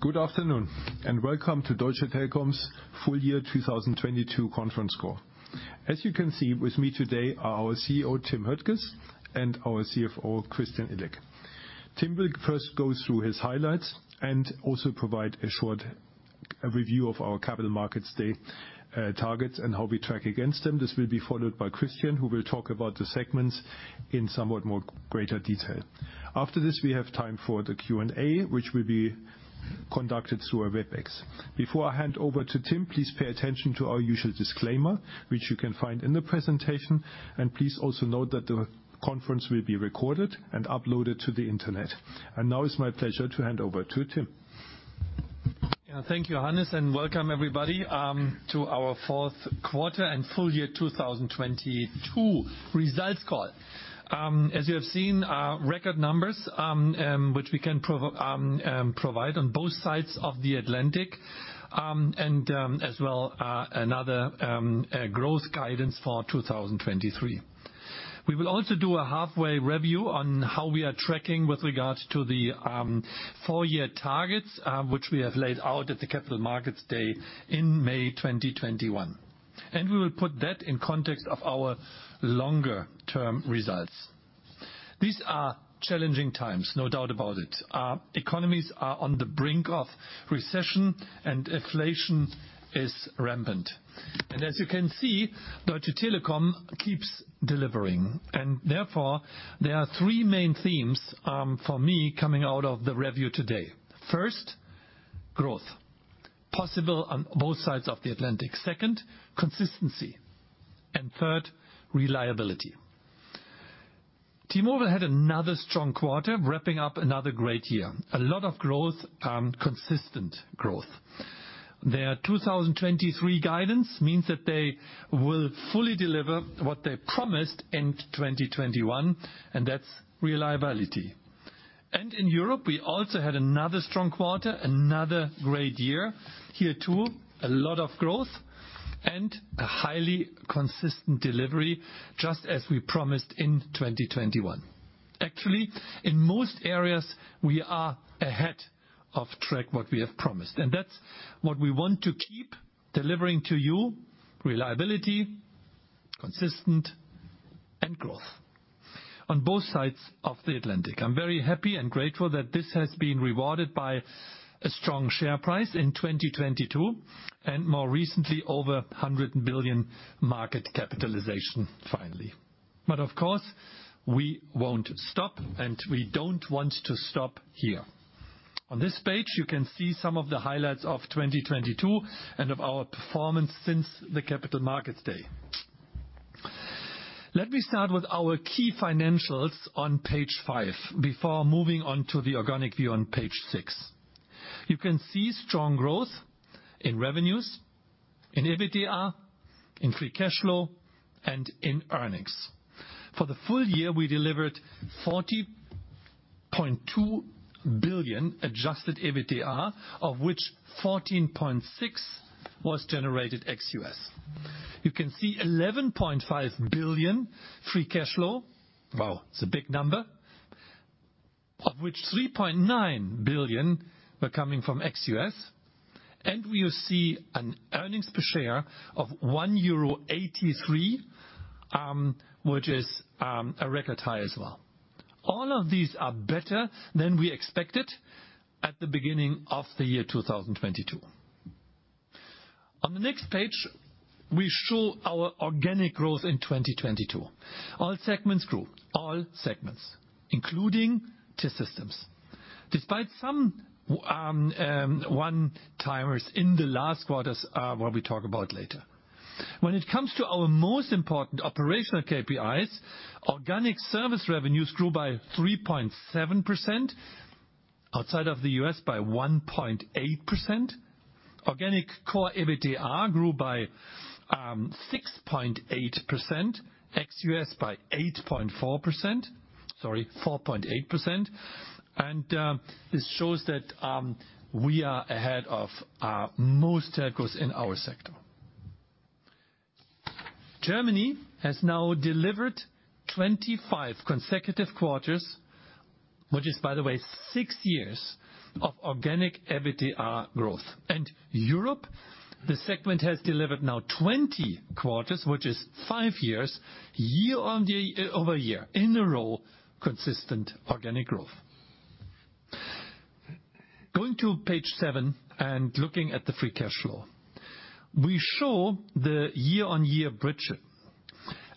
Good afternoon, welcome to Deutsche Telekom's full year 2022 conference call. As you can see with me today are our CEO, Tim Höttges, and our CFO, Christian Illek. Tim will first go through his highlights and also provide a short, a review of our Capital Markets Day targets and how we track against them. This will be followed by Christian, who will talk about the segments in somewhat more greater detail. After this, we have time for the Q&A, which will be conducted through our Webex. Before I hand over to Tim, please pay attention to our usual disclaimer, which you can find in the presentation. Please also note that the conference will be recorded and uploaded to the Internet. Now it's my pleasure to hand over to Tim. Yeah. Thank you, Johannes, and welcome everybody, to our fourth quarter and full year 2022 results call. As you have seen, record numbers, which we can provide on both sides of the Atlantic. As well, another growth guidance for 2023. We will also do a halfway review on how we are tracking with regards to the four-year targets, which we have laid out at the Capital Markets Day in May 2021. We will put that in context of our longer-term results. These are challenging times, no doubt about it. Economies are on the brink of recession, and inflation is rampant. As you can see, Deutsche Telekom keeps delivering, and therefore, there are three main themes, for me, coming out of the review today. First, growth, possible on both sides of the Atlantic. Second, consistency. Third, reliability. T-Mobile had another strong quarter, wrapping up another great year. A lot of growth, consistent growth. Their 2023 guidance means that they will fully deliver what they promised in 2021, and that's reliability. In Europe, we also had another strong quarter, another great year. Here, too, a lot of growth and a highly consistent delivery, just as we promised in 2021. Actually, in most areas, we are ahead of track what we have promised. That's what we want to keep delivering to you, reliability, consistent, and growth on both sides of the Atlantic. I'm very happy and grateful that this has been rewarded by a strong share price in 2022 and more recently, over 100 billion market capitalization finally. Of course, we won't stop, and we don't want to stop here. On this page, you can see some of the highlights of 2022 and of our performance since the Capital Markets Day. Let me start with our key financials on page 5 before moving on to the organic view on page 6. You can see strong growth in revenues, in EBITDA, in free cash flow, and in earnings. For the full year, we delivered 40.2 billion adjusted EBITDA, of which 14.6 billion was generated ex U.S. You can see 11.5 billion free cash flow. Wow, it's a big number. Of which 3.9 billion were coming from ex U.S. We will see an earnings per share of 1.83 euro, which is a record high as well. All of these are better than we expected at the beginning of the year 2022. On the next page, we show our organic growth in 2022. All segments grew, including T-Systems. Despite some one-timers in the last quarters, what we talk about later. When it comes to our most important operational KPIs, organic service revenues grew by 3.7%, outside of the U.S. by 1.8%. Organic core EBITDA grew by 6.8%, ex U.S. by 8.4%. Sorry, 4.8%. This shows that we are ahead of most telcos in our sector. Germany has now delivered 25 consecutive quarters, which is by the way, 6 years of organic EBITDA growth. Europe, the segment has delivered now 20 quarters, which is 5 years, year-over-year in a row, consistent organic growth. Going to page 7 and looking at the free cash flow. We show the year-over-year bridge.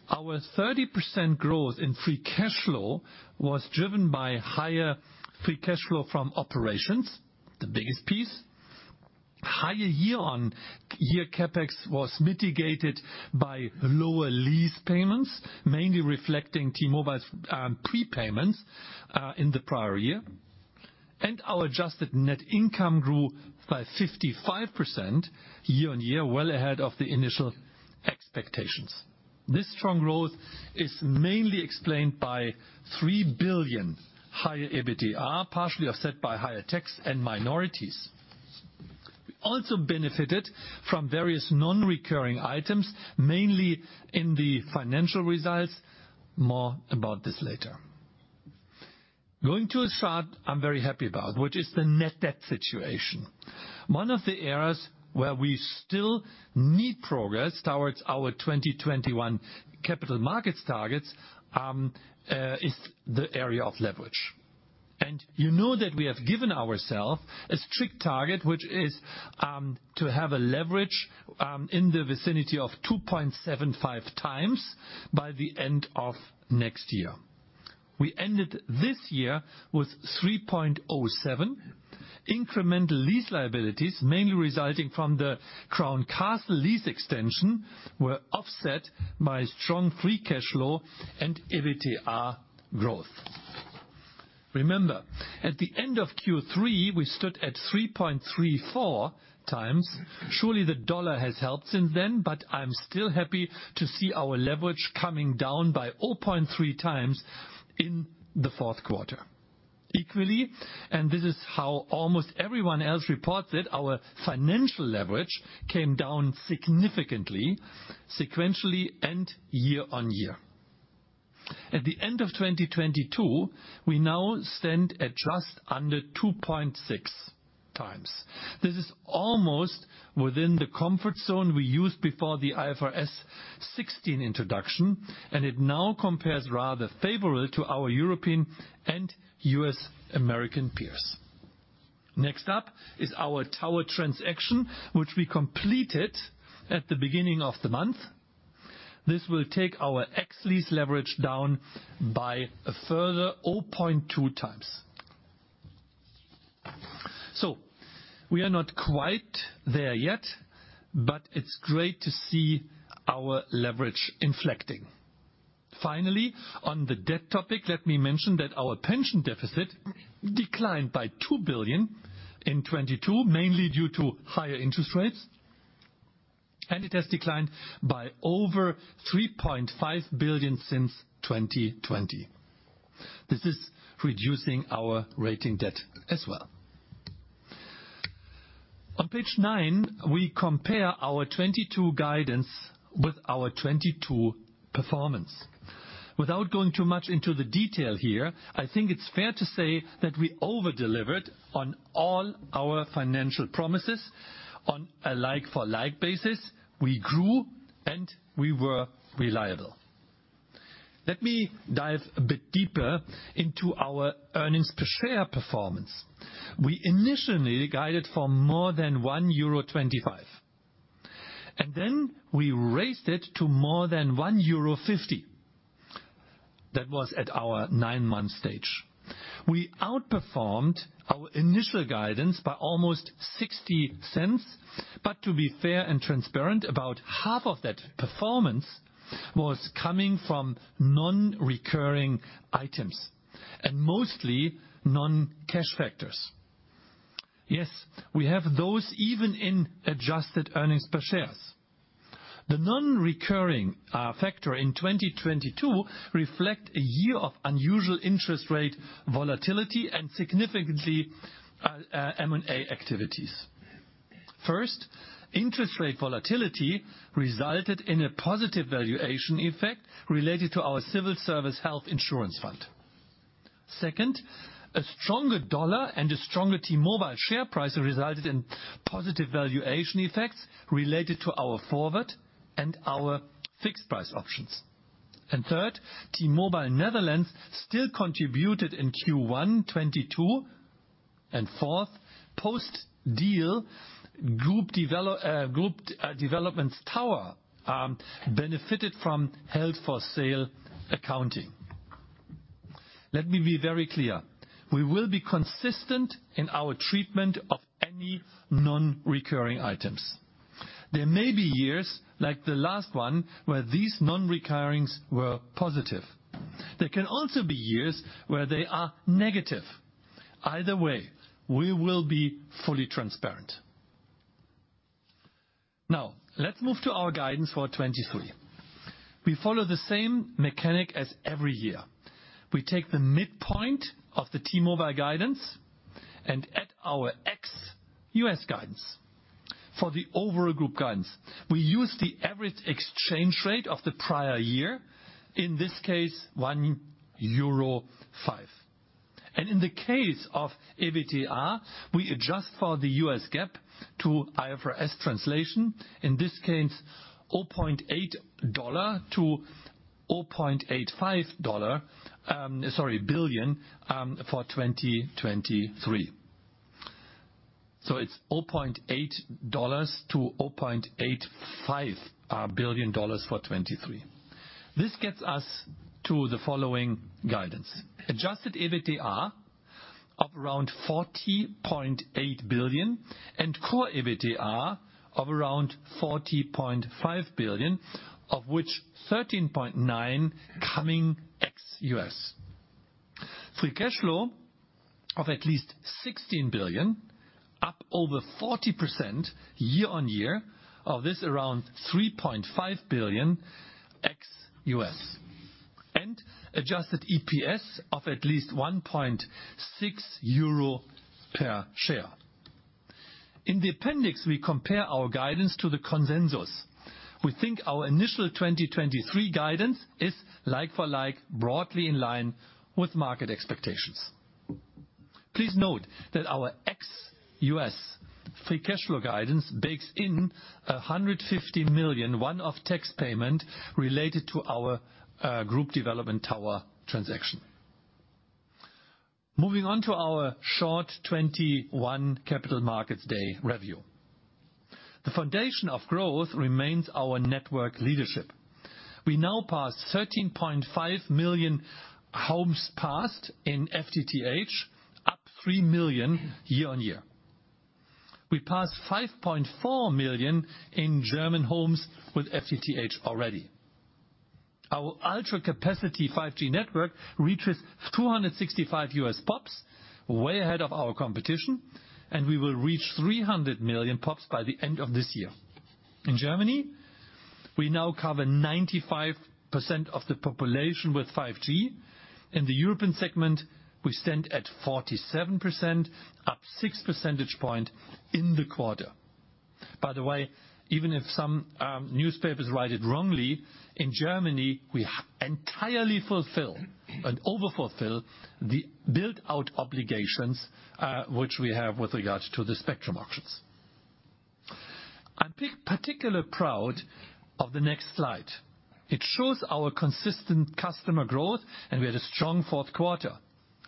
Our 30% growth in free cash flow was driven by higher free cash flow from operations, the biggest piece. Higher year-over-year CapEx was mitigated by lower lease payments, mainly reflecting T-Mobile's prepayments in the prior year. Our adjusted net income grew by 55% year-over-year, well ahead of the initial expectations. This strong growth is mainly explained by 3 billion higher EBITDA, partially offset by higher tax and minorities. We also benefited from various non-recurring items, mainly in the financial results. More about this later. Going to a chart I'm very happy about, which is the net debt situation. One of the areas where we still need progress towards our 2021 Capital Markets targets, is the area of leverage. You know that we have given ourself a strict target, which is, to have a leverage, in the vicinity of 2.75 times by the end of next year. We ended this year with 3.07. Incremental lease liabilities, mainly resulting from the Crown Castle lease extension, were offset by strong free cash flow and EBITDA growth. Remember, at the end of Q3, we stood at 3.34 times. Surely the dollar has helped since then, but I'm still happy to see our leverage coming down by 0.3 times in the fourth quarter. Equally, this is how almost everyone else reports it, our financial leverage came down significantly, sequentially and year-on-year. At the end of 2022, we now stand at just under 2.6 times. This is almost within the comfort zone we used before the IFRS 16 introduction, it now compares rather favorably to our European and U.S. American peers. Next up is our tower transaction, which we completed at the beginning of the month. This will take our ex-lease leverage down by a further 0.2 times. We are not quite there yet, but it's great to see our leverage inflecting. Finally, on the debt topic, let me mention that our pension deficit declined by 2 billion in 2022, it has declined by over 3.5 billion since 2020. This is reducing our rating debt as well. On page 9, we compare our 2022 guidance with our 2022 performance. Without going too much into the detail here, I think it's fair to say that we over-delivered on all our financial promises. On a like-for-like basis, we grew and we were reliable. Let me dive a bit deeper into our earnings per share performance. We initially guided for more than 1.25 euro, then we raised it to more than 1.50 euro. That was at our 9-month stage. We outperformed our initial guidance by almost 0.60. To be fair and transparent, about half of that performance was coming from non-recurring items and mostly non-cash factors. Yes, we have those even in adjusted earnings per shares. The non-recurring factor in 2022 reflect a year of unusual interest rate volatility and significantly M&A activities. First, interest rate volatility resulted in a positive valuation effect related to our civil service health insurance fund. Second, a stronger dollar and a stronger T-Mobile share price resulted in positive valuation effects related to our forward and our fixed price options. Third, T-Mobile Netherlands still contributed in Q1 2022. Fourth, post-deal group developments tower benefited from held-for-sale accounting. Let me be very clear: We will be consistent in our treatment of any non-recurring items. There may be years, like the last one, where these non-recurrents were positive. There can also be years where they are negative. Either way, we will be fully transparent. Let's move to our guidance for 2023. We follow the same mechanic as every year. We take the midpoint of the T-Mobile guidance and add our ex U.S. guidance. For the overall group guidance, we use the average exchange rate of the prior year, in this case 1.05 euro. In the case of EBITDA, we adjust for the U.S. GAAP to IFRS translation. In this case, $0.8 dollar to $0.85 dollar, sorry, billion, for 2023. It's $0.8-$0.85 billion for 2023. This gets us to the following guidance. Adjusted EBITDA of around $40.8 billion and core EBITDA of around $40.5 billion, of which $13.9 coming ex U.S. Free cash flow of at least $16 billion, up over 40% year-on-year, of this around $3.5 billion ex U.S. Adjusted EPS of at least 1.6 euro per share. In the appendix, we compare our guidance to the consensus. We think our initial 2023 guidance is like for like, broadly in line with market expectations. Please note that our ex-U.S. free cash flow guidance bakes in 150 million one-off tax payment related to our Group Development tower transaction. Moving on to our short 2021 Capital Markets Day review. The foundation of growth remains our network leadership. We now pass 13.5 million homes passed in FTTH, up 3 million year-on-year. We passed 5.4 million in German homes with FTTH already. Our ultra-capacity 5G network reaches 265 U.S. PoPs, way ahead of our competition, and we will reach 300 million PoPs by the end of this year. In Germany, we now cover 95% of the population with 5G. In the European segment, we stand at 47%, up 6 percentage point in the quarter. By the way, even if some newspapers write it wrongly, in Germany, we entirely fulfill and overfulfill the build-out obligations, which we have with regards to the spectrum auctions. I'm pig-particular proud of the next slide. It shows our consistent customer growth. We had a strong fourth quarter.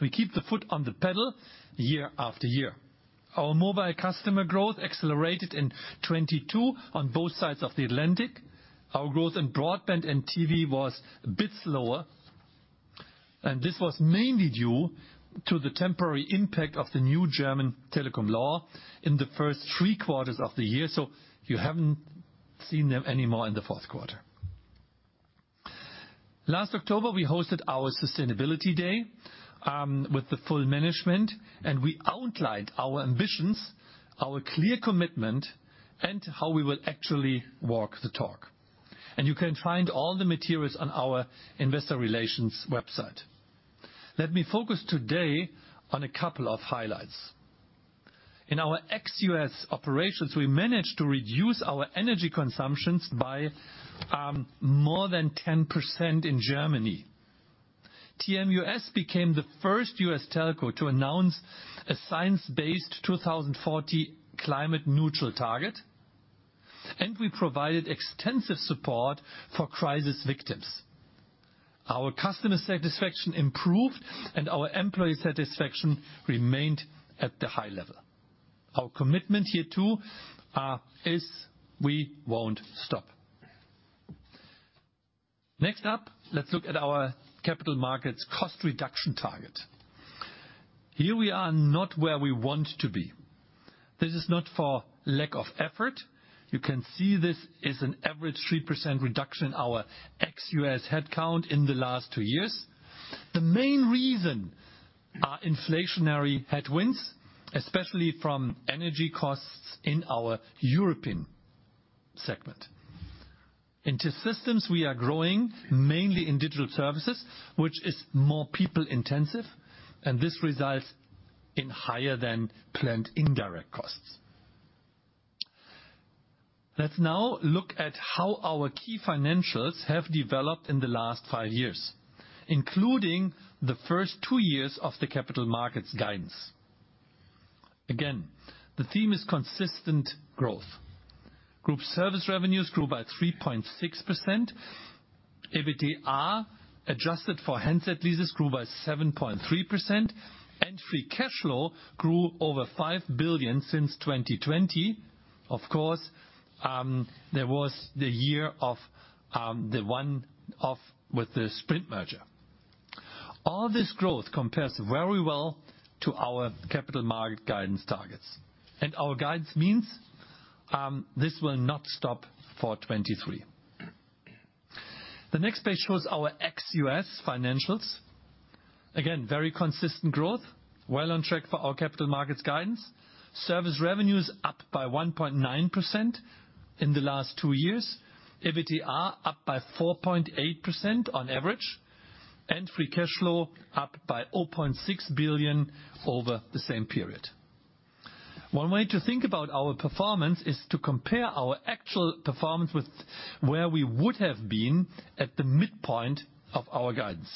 We keep the foot on the pedal year after year. Our mobile customer growth accelerated in 2022 on both sides of the Atlantic. Our growth in broadband and TV was a bit slower. This was mainly due to the temporary impact of the new German telecom law in the first three quarters of the year. You haven't seen them anymore in the fourth quarter. Last October, we hosted our sustainability day with the full management. We outlined our ambitions, our clear commitment, and how we will actually walk the talk. You can find all the materials on our investor relations website. Let me focus today on a couple of highlights. In our ex-US operations, we managed to reduce our energy consumptions by more than 10% in Germany. TMUS became the first US telco to announce a science-based 2040 climate neutral target, and we provided extensive support for crisis victims. Our customer satisfaction improved, and our employee satisfaction remained at the high level. Our commitment here, too, is we won't stop. Next up, let's look at our capital markets cost reduction target. Here we are not where we want to be. This is not for lack of effort. You can see this is an average 3% reduction our ex-US headcount in the last two years. The main reason are inflationary headwinds, especially from energy costs in our European segment. Into systems, we are growing mainly in digital services, which is more people-intensive, and this results in higher than planned indirect costs. Let's now look at how our key financials have developed in the last 5 years, including the first 2 years of the capital markets guidance. Again, the theme is consistent growth. Group service revenues grew by 3.6%. EBITDA adjusted for handset leases grew by 7.3%. Free cash flow grew over 5 billion since 2020. Of course, there was the year of the one-off with the Sprint merger. All this growth compares very well to our capital market guidance targets. Our guidance means this will not stop for 2023. The next page shows our ex-U.S. financials. Again, very consistent growth, well on track for our capital markets guidance. Service revenues up by 1.9% in the last two years. EBITDA up by 4.8% on average. Free cash flow up by 0.6 billion over the same period. One way to think about our performance is to compare our actual performance with where we would have been at the midpoint of our guidance.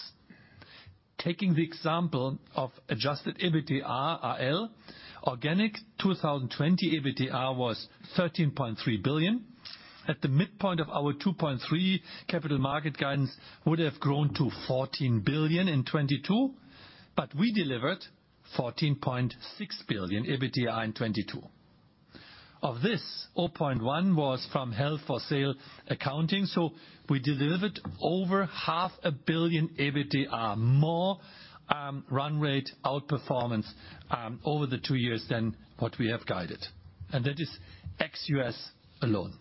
Taking the example of adjusted EBITDA AL, organic 2020 EBITDA was 13.3 billion. At the midpoint of our 2.3 capital market guidance would have grown to 14 billion in 2022, but we delivered 14.6 billion EBITDA in 2022. Of this, 0.1 was from held for sale accounting. We delivered over half a billion EBITDA more, run rate outperformance, over the two years than what we have guided, and that is ex U.S. alone.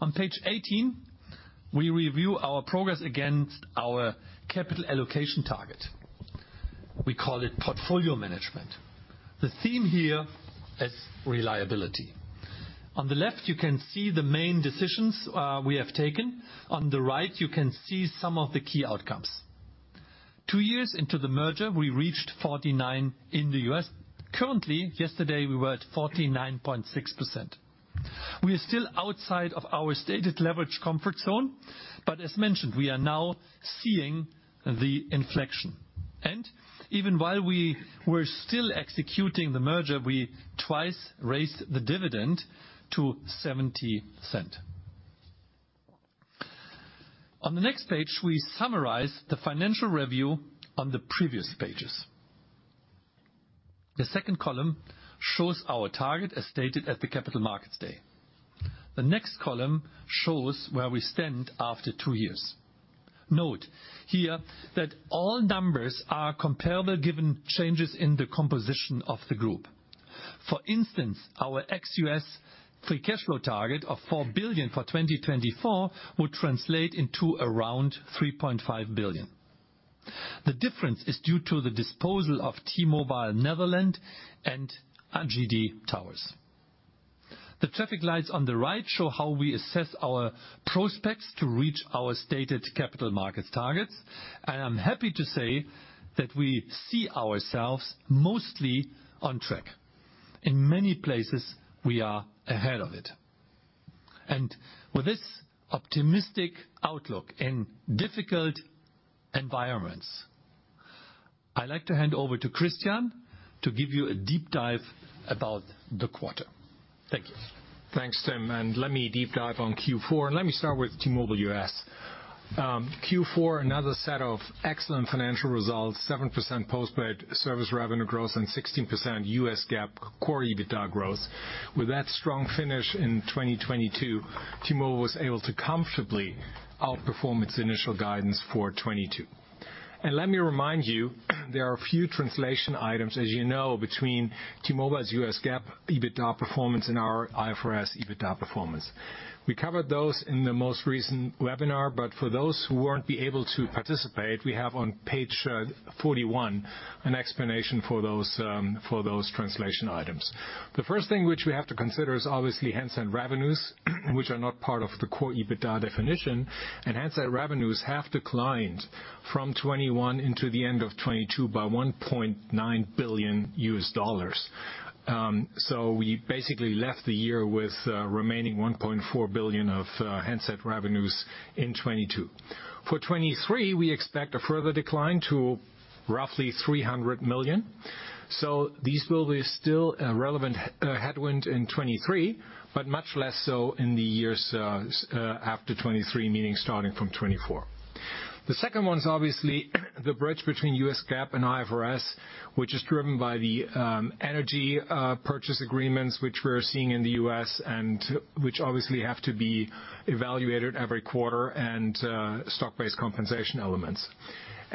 On page 18, we review our progress against our capital allocation target. We call it portfolio management. The theme here is reliability. On the left, you can see the main decisions we have taken. On the right, you can see some of the key outcomes. 2 years into the merger, we reached 49 in the U.S. Currently, yesterday, we were at 49.6%. We are still outside of our stated leverage comfort zone, but as mentioned, we are now seeing the inflection. Even while we were still executing the merger, we twice raised the dividend to 0.70. On the next page, we summarize the financial review on the previous pages. The second column shows our target as stated at the Capital Markets Day. The next column shows where we stand after 2 years. Note here that all numbers are comparable given changes in the composition of the group. For instance, our ex-U.S. free cash flow target of 4 billion for 2024 would translate into around 3.5 billion. The difference is due to the disposal of T-Mobile Netherlands and GD Towers. The traffic lights on the right show how we assess our prospects to reach our stated capital markets targets. I'm happy to say that we see ourselves mostly on track. In many places, we are ahead of it. With this optimistic outlook in difficult environments, I'd like to hand over to Christian to give you a deep dive about the quarter. Thank you. Thanks, Tim. Let me deep dive on Q4. Let me start with T-Mobile US. Q4, another set of excellent financial results, 7% post-paid service revenue growth and 16% US GAAP core EBITDA growth. With that strong finish in 2022, T-Mobile was able to comfortably outperform its initial guidance for 22. Let me remind you, there are a few translation items, as you know, between T-Mobile's US GAAP EBITDA performance and our IFRS EBITDA performance. We covered those in the most recent webinar, but for those who weren't be able to participate, we have on page 41 an explanation for those for those translation items. The first thing which we have to consider is obviously handset revenues, which are not part of the core EBITDA definition. Handset revenues have declined from 2021 into the end of 2022 by $1.9 billion US dollars. We basically left the year with remaining $1.4 billion of handset revenues in 2022. For 2023, we expect a further decline to roughly $300 million. These will be still a relevant headwind in 2023, but much less so in the years after 2023, meaning starting from 2024. The second one is obviously the bridge between US GAAP and IFRS, which is driven by the energy purchase agreements, which we are seeing in the U.S. and which obviously have to be evaluated every quarter and stock-based compensation elements.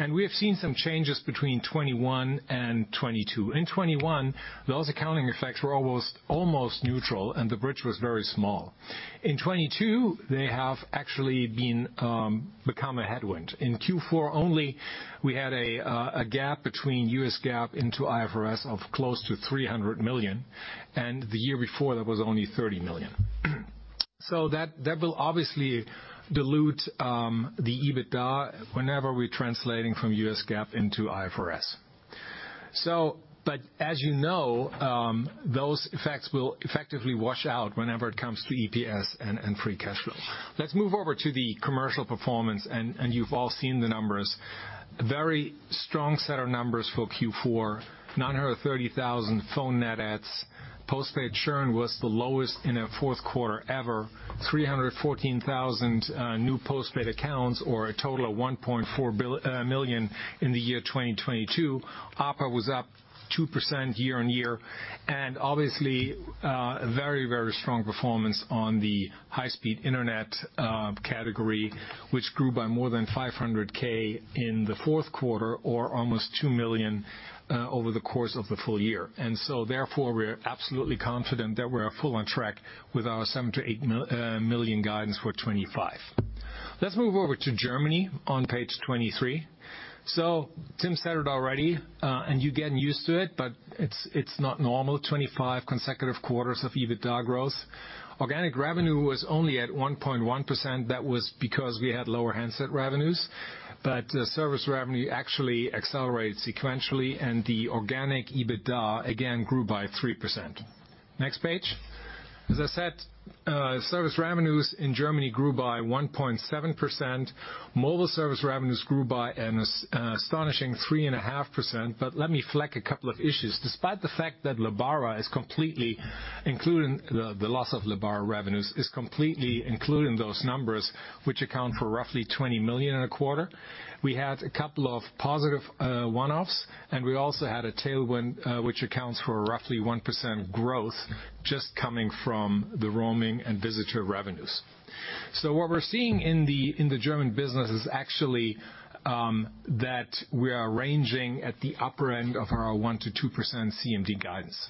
We have seen some changes between 2021 and 2022. In 2021, those accounting effects were almost neutral, and the bridge was very small. In 2022, they have actually become a headwind. In Q4 only, we had a gap between US GAAP into IFRS of close to 300 million, and the year before, there was only 30 million. That will obviously dilute the EBITDA whenever we're translating from US GAAP into IFRS. But as you know, those effects will effectively wash out whenever it comes to EPS and free cash flow. Let's move over to the commercial performance, and you've all seen the numbers. Very strong set of numbers for Q4. 930,000 phone net adds. Postpaid churn was the lowest in a fourth quarter ever. 314,000 new postpaid accounts or a total of 1.4 million in the year 2022. ARPU was up 2% year-over-year. Obviously, a very, very strong performance on the high-speed internet category, which grew by more than 500K in the fourth quarter or almost 2 million over the course of the full year. Therefore, we are absolutely confident that we're full on track with our 7 to 8 million guidance for 2025. Let's move over to Germany on page 23. Tim said it already, and you're getting used to it, but it's not normal, 25 consecutive quarters of EBITDA growth. Organic revenue was only at 1.1%. That was because we had lower handset revenues. Service revenue actually accelerated sequentially, and the organic EBITDA, again, grew by 3%. Next page. As I said, service revenues in Germany grew by 1.7%. Mobile service revenues grew by an astonishing 3.5%. Let me flag a couple of issues. Despite the fact that Lebara is completely included, the loss of Lebara revenues is completely included in those numbers, which account for roughly 20 million in a quarter. We had a couple of positive one-offs, and we also had a tailwind, which accounts for roughly 1% growth just coming from the roaming and visitor revenues. What we're seeing in the German business is actually that we are ranging at the upper end of our 1%-2% CMD guidance.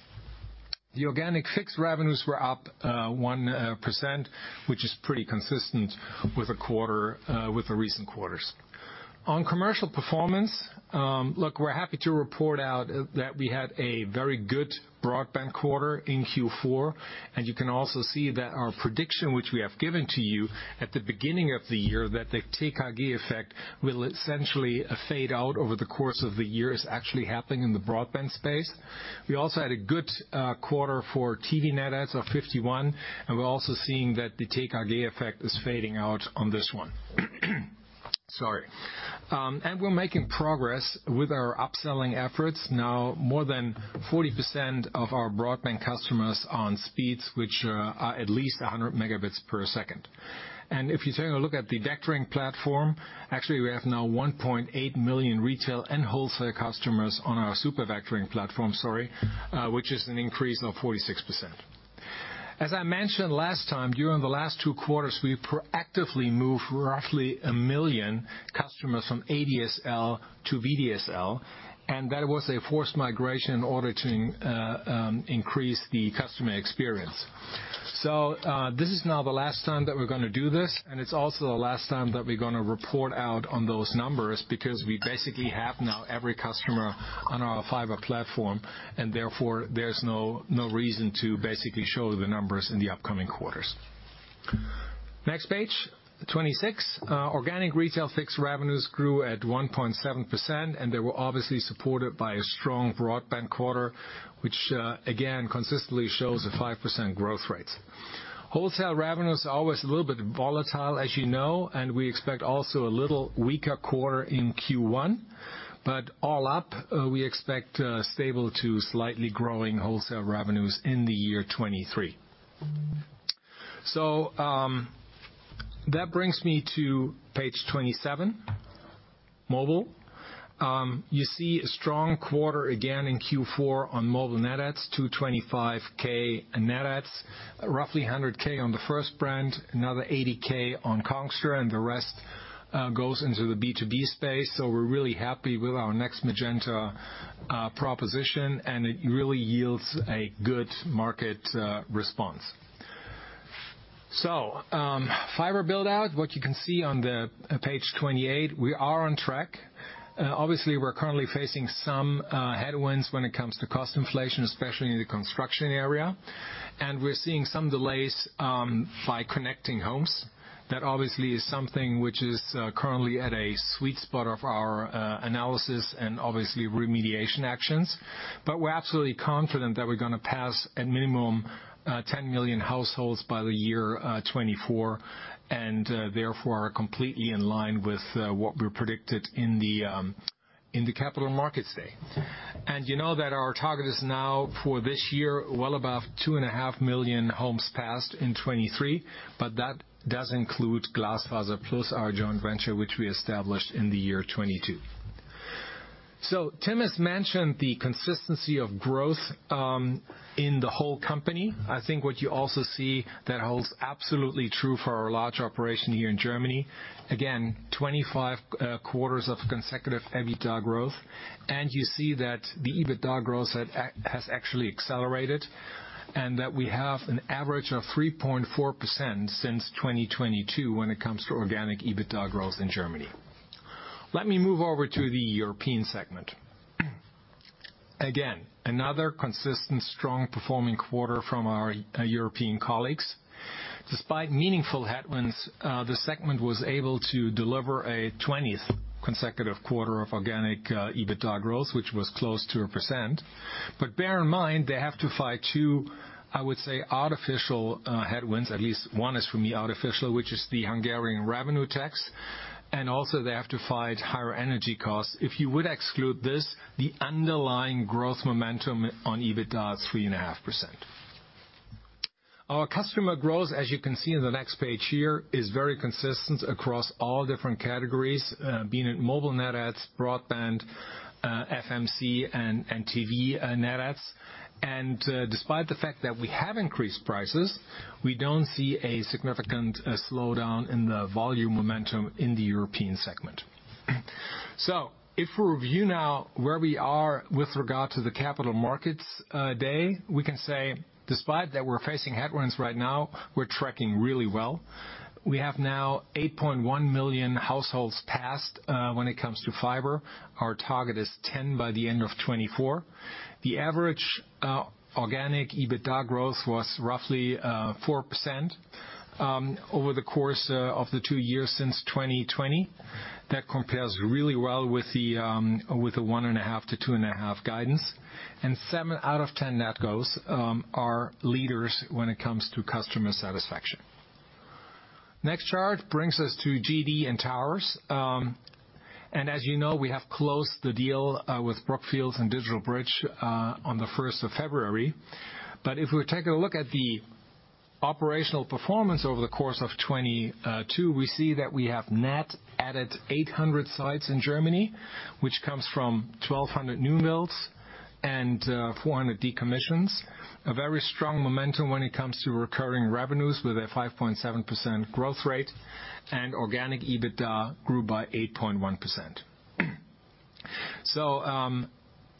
The organic fixed revenues were up 1%, which is pretty consistent with the quarter with the recent quarters. On commercial performance, look, we're happy to report out that we had a very good broadband quarter in Q4, and you can also see that our prediction, which we have given to you at the beginning of the year, that the TKG effect will essentially fade out over the course of the year, is actually happening in the broadband space. We also had a good quarter for TV net adds of 51, and we're also seeing that the TKG effect is fading out on this one. Sorry. We're making progress with our upselling efforts. Now more than 40% of our broadband customers on speeds which are at least 100 megabits per second. If you take a look at the Super-Vectoring platform, actually, we have now 1.8 million retail and wholesale customers on our Super-Vectoring platform, sorry, which is an increase of 46%. As I mentioned last time, during the last 2 quarters, we proactively moved roughly 1 million customers from ADSL to VDSL, and that was a forced migration in order to increase the customer experience. This is now the last time that we're gonna do this, and it's also the last time that we're gonna report out on those numbers because we basically have now every customer on our fiber platform and therefore there's no reason to basically show the numbers in the upcoming quarters. Next page, 26. Organic retail fixed revenues grew at 1.7%. They were obviously supported by a strong broadband quarter, which, again, consistently shows a 5% growth rate. Wholesale revenue is always a little bit volatile, as you know. We expect also a little weaker quarter in Q1. All up, we expect stable to slightly growing wholesale revenues in 2023. That brings me to page 27, mobile. You see a strong quarter again in Q4 on mobile net adds, 225 K net adds. Roughly 100 K on the first brand, another 80 K on Congstar, and the rest goes into the B2B space. We're really happy with our next Magenta proposition, and it really yields a good market response. Fiber build-out, what you can see on the page 28, we are on track. Obviously, we're currently facing some headwinds when it comes to cost inflation, especially in the construction area. We're seeing some delays by connecting homes. That obviously is something which is currently at a sweet spot of our analysis and obviously remediation actions. We're absolutely confident that we're gonna pass a minimum 10 million households by the year 2024, and therefore are completely in line with what we predicted in the Capital Markets Day. You know that our target is now for this year, well above 2.5 million homes passed in 2023, but that does include GlasfaserPlus our joint venture, which we established in the year 2022. Tim has mentioned the consistency of growth in the whole company. I think what you also see that holds absolutely true for our large operation here in Germany. Again, 25 quarters of consecutive EBITDA growth. You see that the EBITDA growth has actually accelerated, and that we have an average of 3.4% since 2022 when it comes to organic EBITDA growth in Germany. Let me move over to the European segment. Again, another consistent, strong performing quarter from our European colleagues. Despite meaningful headwinds, the segment was able to deliver a 20th consecutive quarter of organic EBITDA growth, which was close to 1%. Bear in mind, they have to fight 2, I would say, artificial headwinds. At least one is for me artificial, which is the Hungarian revenue tax. Also they have to fight higher energy costs. If you would exclude this, the underlying growth momentum on EBITDA is 3.5%. Our customer growth, as you can see in the next page here, is very consistent across all different categories, be it mobile net adds, broadband, FMC, and TV net adds. Despite the fact that we have increased prices, we don't see a significant slowdown in the volume momentum in the European segment. If we review now where we are with regard to the Capital Markets Day, we can say despite that we're facing headwinds right now, we're tracking really well. We have now 8.1 million households passed when it comes to fiber. Our target is 10 by the end of 2024. The average organic EBITDA growth was roughly 4% over the course of the 2 years since 2020. That compares really well with the 1.5% to 2.5% guidance. 7 out of 10 net goes are leaders when it comes to customer satisfaction. Next chart brings us to GD Towers. As you know, we have closed the deal with Brookfield and DigitalBridge on the first of February. If we take a look at the operational performance over the course of 2022, we see that we have net added 800 sites in Germany, which comes from 1,200 new builds and 400 decommissions. A very strong momentum when it comes to recurring revenues with a 5.7% growth rate, and organic EBITDA grew by 8.1%.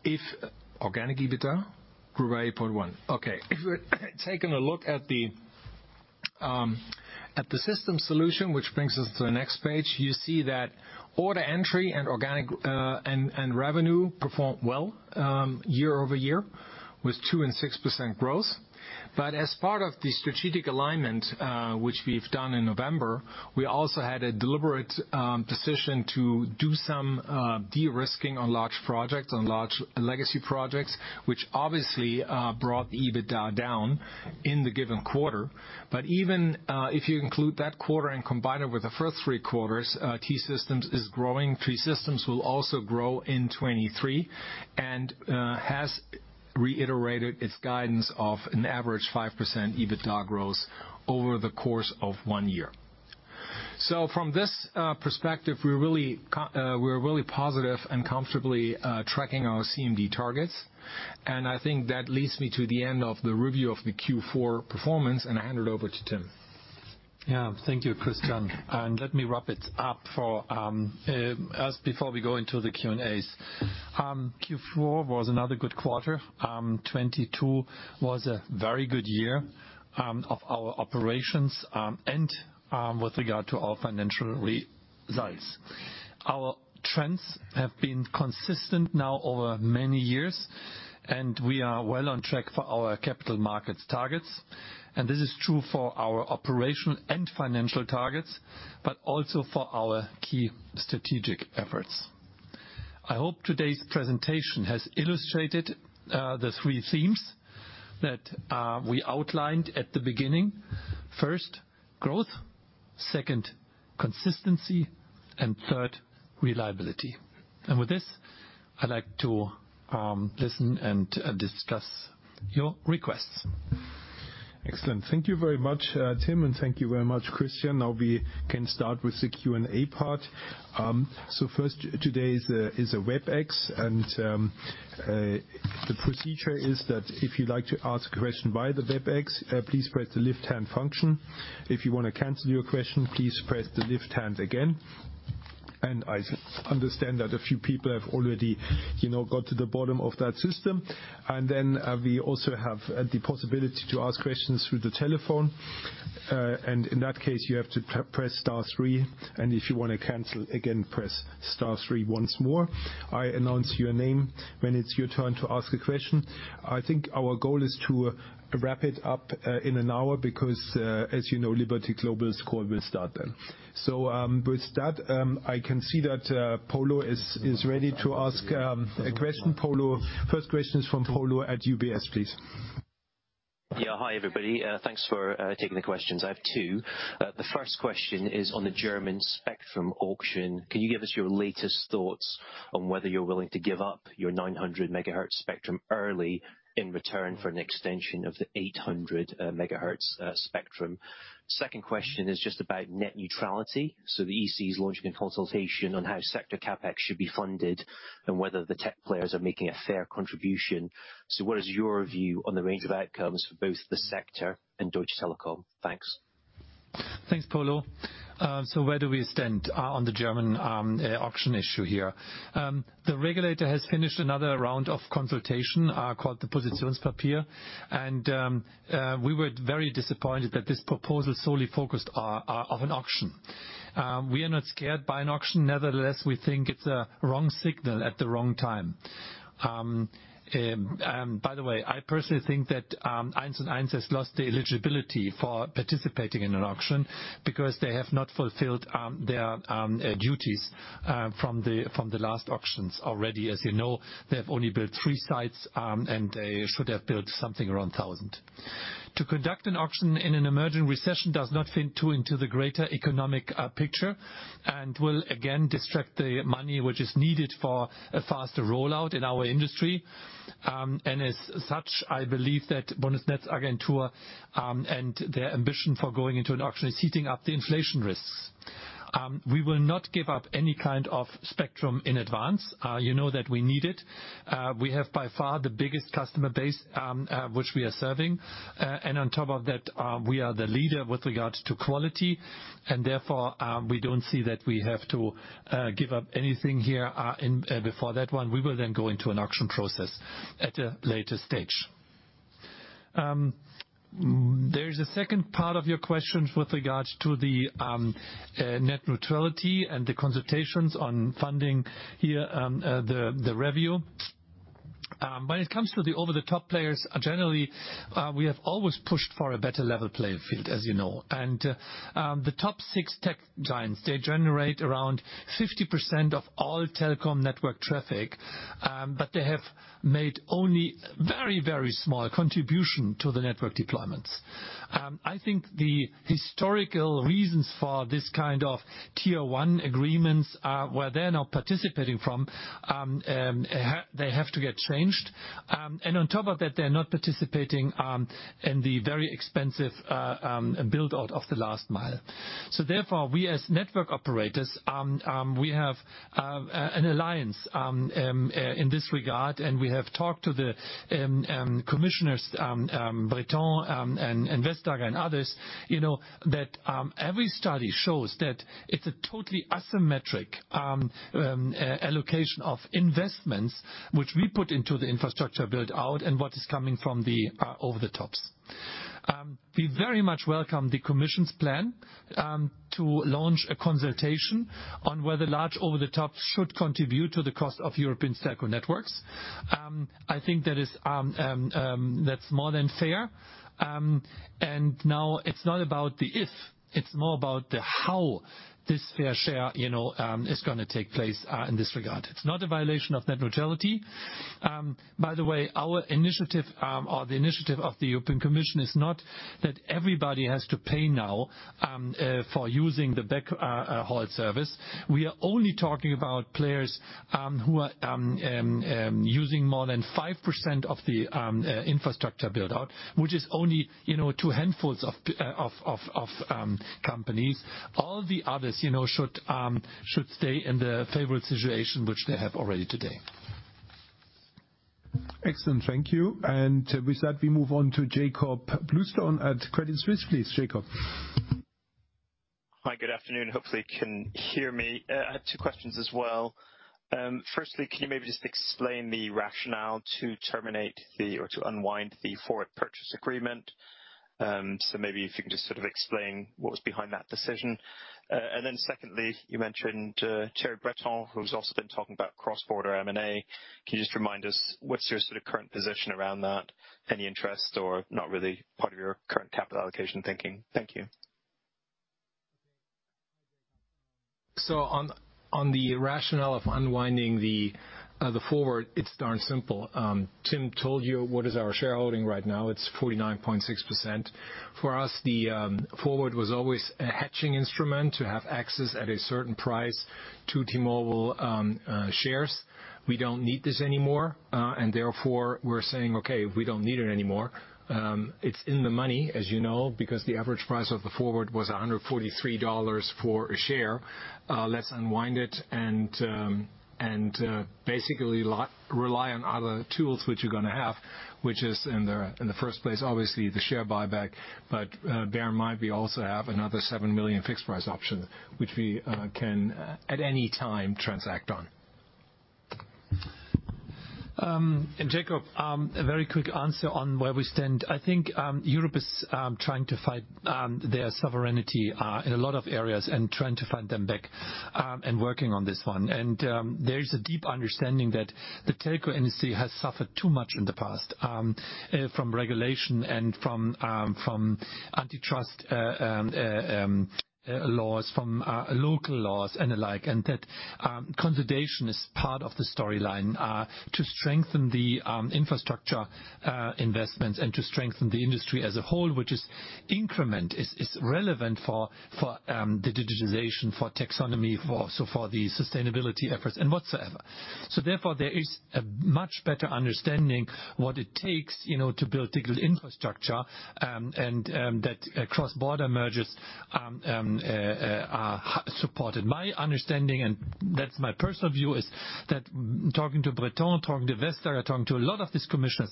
If organic EBITDA grew by 8.1%. Taking a look at the system solution, which brings us to the next page, you see that order entry and organic and revenue performed well year-over-year with 2% and 6% growth. As part of the strategic alignment, which we've done in November, we also had a deliberate decision to do some de-risking on large projects, on large legacy projects, which obviously brought the EBITDA down in the given quarter. Even if you include that quarter and combine it with the first three quarters, T-Systems is growing. T-Systems will also grow in 23, has reiterated its guidance of an average 5% EBITDA growth over the course of one year. From this perspective, we're really positive and comfortably tracking our CMD targets. I think that leads me to the end of the review of the Q4 performance, and I hand it over to Tim. Thank you, Christian. Let me wrap it up as before we go into the Q and A's. Q4 was another good quarter. 2022 was a very good year of our operations and with regard to our financial results. Our trends have been consistent now over many years, and we are well on track for our capital markets targets. This is true for our operational and financial targets, but also for our key strategic efforts. I hope today's presentation has illustrated the three themes that we outlined at the beginning. First, growth, second, consistency, and third, reliability. With this, I'd like to listen and discuss your requests. Excellent. Thank you very much, Tim, and thank you very much, Christian. Now we can start with the Q&A part. First today is a, is a Webex, and the procedure is that if you'd like to ask a question via the Webex, please press the lift hand function. If you wanna cancel your question, please press the lift hand again. I understand that a few people have already, you know, got to the bottom of that system. We also have the possibility to ask questions through the telephone. In that case, you have to press star three, and if you wanna cancel again, press star three once more. I announce your name when it's your turn to ask a question. I think our goal is to wrap it up in an hour because, as you know, Liberty Global's call will start then. With that, I can see that Paulo is ready to ask a question. Paulo, first question is from Paulo at UBS, please. Hi, everybody. Thanks for taking the questions. I have 2. The first question is on the German spectrum auction. Can you give us your latest thoughts on whether you're willing to give up your 900 megahertz spectrum early in return for an extension of the 800 megahertz spectrum? Second question is just about net neutrality. The EC is launching a consultation on how sector CapEx should be funded and whether the tech players are making a fair contribution. What is your view on the range of outcomes for both the sector and Deutsche Telekom? Thanks. Thanks, Polo. Where do we stand on the German auction issue here? The regulator has finished another round of consultation, called the Positionspapier. We were very disappointed that this proposal solely focused of an auction. We are not scared by an auction. Nevertheless, we think it's a wrong signal at the wrong time. By the way, I personally think that 1&1 has lost the eligibility for participating in an auction because they have not fulfilled their duties from the last auctions already. As you know, they have only built three sites, and they should have built something around 1,000. To conduct an auction in an emerging recession does not fit into the greater economic picture and will again distract the money which is needed for a faster rollout in our industry. As such, I believe that Bundesnetzagentur, and their ambition for going into an auction is heating up the inflation risks. We will not give up any kind of spectrum in advance. You know that we need it. We have by far the biggest customer base, which we are serving. On top of that, we are the leader with regards to quality, and therefore, we don't see that we have to give up anything here before that one. We will then go into an auction process at a later stage. There is a second part of your question with regards to the net neutrality and the consultations on funding here, the review. When it comes to the over-the-top players, we have always pushed for a better level playing field, as you know. The top six tech giants, they generate around 50% of all telecom network traffic, but they have made only very, very small contribution to the network deployments. I think the historical reasons for this kind of tier one agreements, where they're now participating from, they have to get changed. On top of that, they're not participating in the very expensive build out of the last mile. Therefore, we as network operators, we have a alliance in this regard, and we have talked to the commissioners, Breton and Vestager and others, you know, that every study shows that it's a totally asymmetric allocation of investments which we put into the infrastructure build out and what is coming from the over-the-tops. We very much welcome the Commission's plan to launch a consultation on whether large over-the-top should contribute to the cost of European second networks. I think that is that's more than fair. Now it's not about the if, it's more about the how this fair share, you know, is gonna take place in this regard. It's not a violation of net neutrality. By the way, our initiative, or the initiative of the European Commission is not that everybody has to pay now, for using the back haul service. We are only talking about players, who are using more than 5% of the infrastructure build-out, which is only, you know, two handfuls of companies. All the others, you know, should should stay in the favored situation which they have already today. Excellent, thank you. With that, we move on to Jakob Bluestein at Credit Suisse, please. Jakob. Hi, good afternoon. Hopefully you can hear me. I had 2 questions as well. Firstly, can you maybe just explain the rationale to terminate the, or to unwind the forward purchase agreement? Maybe if you can just sort of explain what was behind that decision. Secondly, you mentioned Thierry Breton, who's also been talking about cross-border M&A. Can you just remind us what's your sort of current position around that? Any interest or not really part of your current capital allocation thinking? Thank you. On the rationale of unwinding the forward, it's darn simple. Tim told you what is our shareholding right now. It's 49.6%. For us, the forward was always a hedging instrument to have access at a certain price to T-Mobile shares. We don't need this anymore, and therefore we're saying, "Okay, we don't need it anymore." It's in the money, as you know, because the average price of the forward was $143 for a share. Let's unwind it and basically rely on other tools which you're gonna have, which is in the first place, obviously, the share buyback. Bear in mind we also have another 7 million fixed price option, which we can at any time transact on. Jacob, a very quick answer on where we stand. I think Europe is trying to find their sovereignty in a lot of areas and trying to find them back and working on this one. There is a deep understanding that the telco industry has suffered too much in the past from regulation and from antitrust laws, from local laws and the like. Consolidation is part of the storyline to strengthen the infrastructure investments and to strengthen the industry as a whole, which is increment. It's relevant for the digitization, for taxonomy, for, so for the sustainability efforts and whatsoever. Therefore, there is a much better understanding what it takes, you know, to build digital infrastructure, and that cross-border mergers are supported. My understanding, and that's my personal view, is that talking to Breton, talking to Vestager, talking to a lot of these commissioners,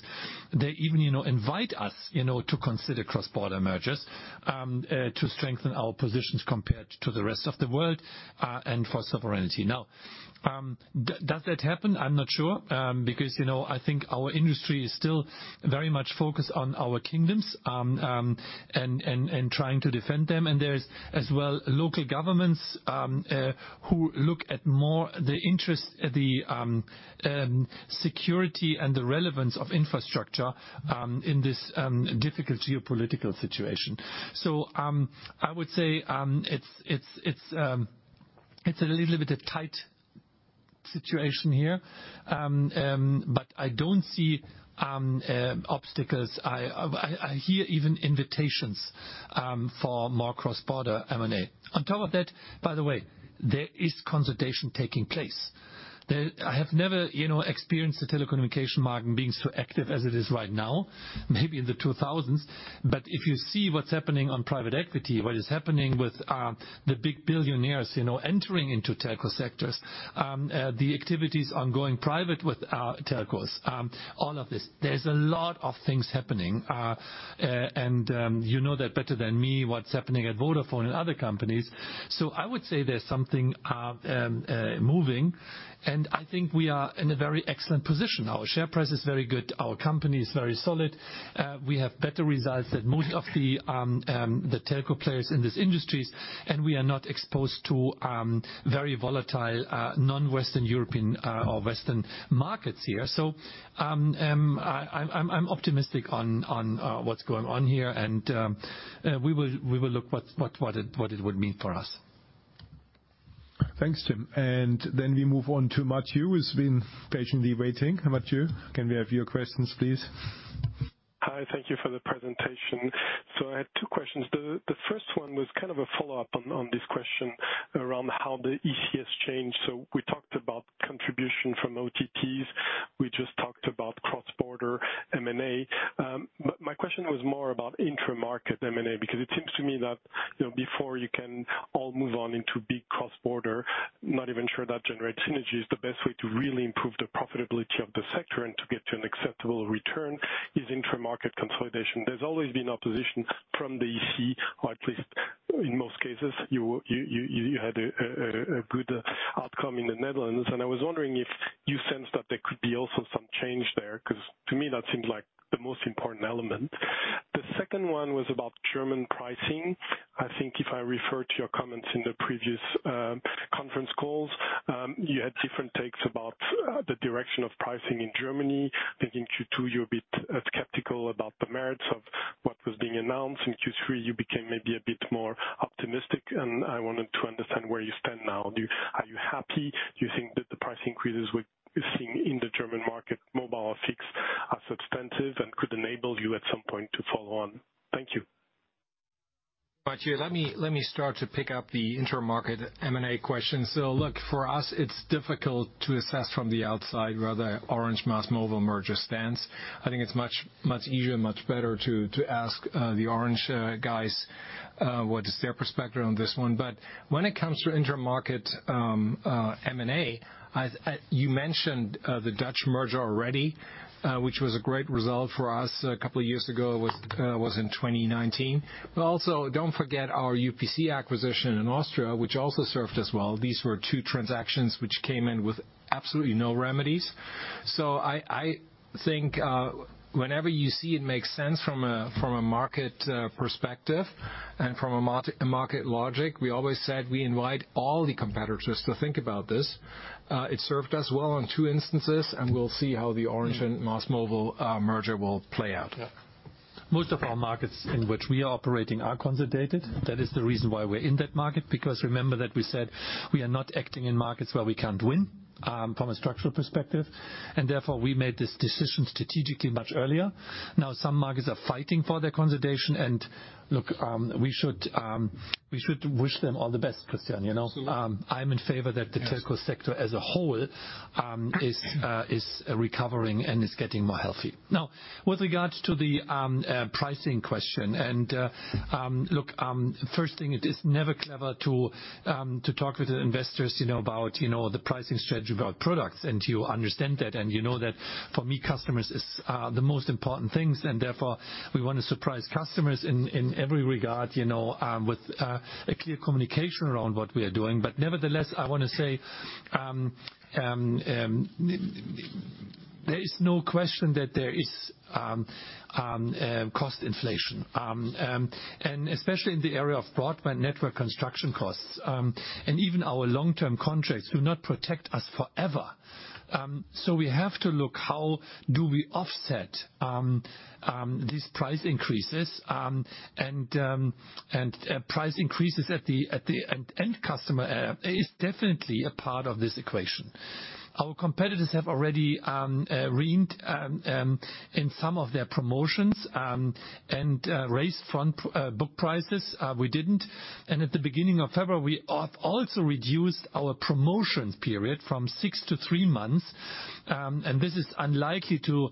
they even, you know, invite us, you know, to consider cross-border mergers to strengthen our positions compared to the rest of the world and for sovereignty. Does that happen? I'm not sure, because, you know, I think our industry is still very much focused on our kingdoms and trying to defend them. There is as well local governments who look at more the interest, the security and the relevance of infrastructure in this difficult geopolitical situation. I would say it's a little bit a tight situation here. I don't see obstacles. I hear even invitations for more cross-border M&A. On top of that, by the way, there is consolidation taking place. I have never, you know, experienced the telecommunication market being so active as it is right now, maybe in the 2000s. If you see what's happening on private equity, what is happening with the big billionaires, you know, entering into telco sectors, the activities on going private with telcos, all of this. There's a lot of things happening. You know that better than me what's happening at Vodafone and other companies. I would say there's something moving, and I think we are in a very excellent position. Our share price is very good. Our company is very solid. We have better results than most of the telco players in these industries, and we are not exposed to very volatile non-Western European or Western markets here. I am optimistic on what's going on here. We will look what it would mean for us. Thanks, Tim. We move on to Mathieu, who's been patiently waiting. Mathieu, can we have your questions, please? Hi. Thank you for the presentation. I had two questions. The first one was kind of a follow-up on this question around how the EC has changed. We talked about contribution from OTTs. We just talked about cross-border M&A. My question was more about intra-market M&A because it seems to me that, you know, before you can all move on into big cross-border, not even sure that generates synergies, the best way to really improve the profitability of the sector and to get to an acceptable return is intra-market consolidation. There's always been opposition from the EC, or at least in most cases. You had a good outcome in the Netherlands. I was wondering if you sense that there could be also some change there, 'cause to me that seems like the most important element. The second one was about German pricing. I think if I refer to your comments in the previous Conference calls, you had different takes about the direction of pricing in Germany. I think in Q2 you were a bit skeptical about the merits of what was being announced. In Q3, you became maybe a bit more optimistic. I wanted to understand where you stand now. Are you happy? Do you think that the price increases we're seeing in the German market, mobile or fixed, are substantive and could enable you at some point to follow on? Thank you. Matthias, let me start to pick up the intra-market M&A question. Look, for us, it's difficult to assess from the outside where the Orange-MásMóvil merger stands. I think it's much, much easier and much better to ask the Orange guys what is their perspective on this one. When it comes to intra-market M&A, You mentioned the Dutch merger already, which was a great result for us a couple of years ago. It was in 2019. Also, don't forget our UPC acquisition in Austria, which also served us well. These were two transactions which came in with absolutely no remedies. I think, whenever you see it makes sense from a market perspective and from a market logic, we always said we invite all the competitors to think about this. It served us well on two instances, and we'll see how the Orange and MásMóvil merger will play out. Yeah. Most of our markets in which we are operating are consolidated. That is the reason why we're in that market, because remember that we said we are not acting in markets where we can't win, from a structural perspective, and therefore, we made this decision strategically much earlier. Now, some markets are fighting for their consolidation, and look, we should wish them all the best, Christian, you know? Absolutely. I'm in favor that the telco sector as a whole is recovering and is getting more healthy. Now, with regards to the pricing question, and look, first thing, it is never clever to talk with the investors, you know, about, you know, the pricing strategy about products, and you understand that. You know that for me, customers are the most important things, and therefore, we want to surprise customers in every regard, you know, with a clear communication around what we are doing. Nevertheless, I wanna say, there is no question that there is cost inflation, and especially in the area of broadband network construction costs. Even our long-term contracts do not protect us forever. We have to look how do we offset these price increases. Price increases at the end-end customer is definitely a part of this equation. Our competitors have already reamed in some of their promotions and raised front book prices. We didn't. At the beginning of February, we have also reduced our promotion period from 6 to 3 months, and this is unlikely to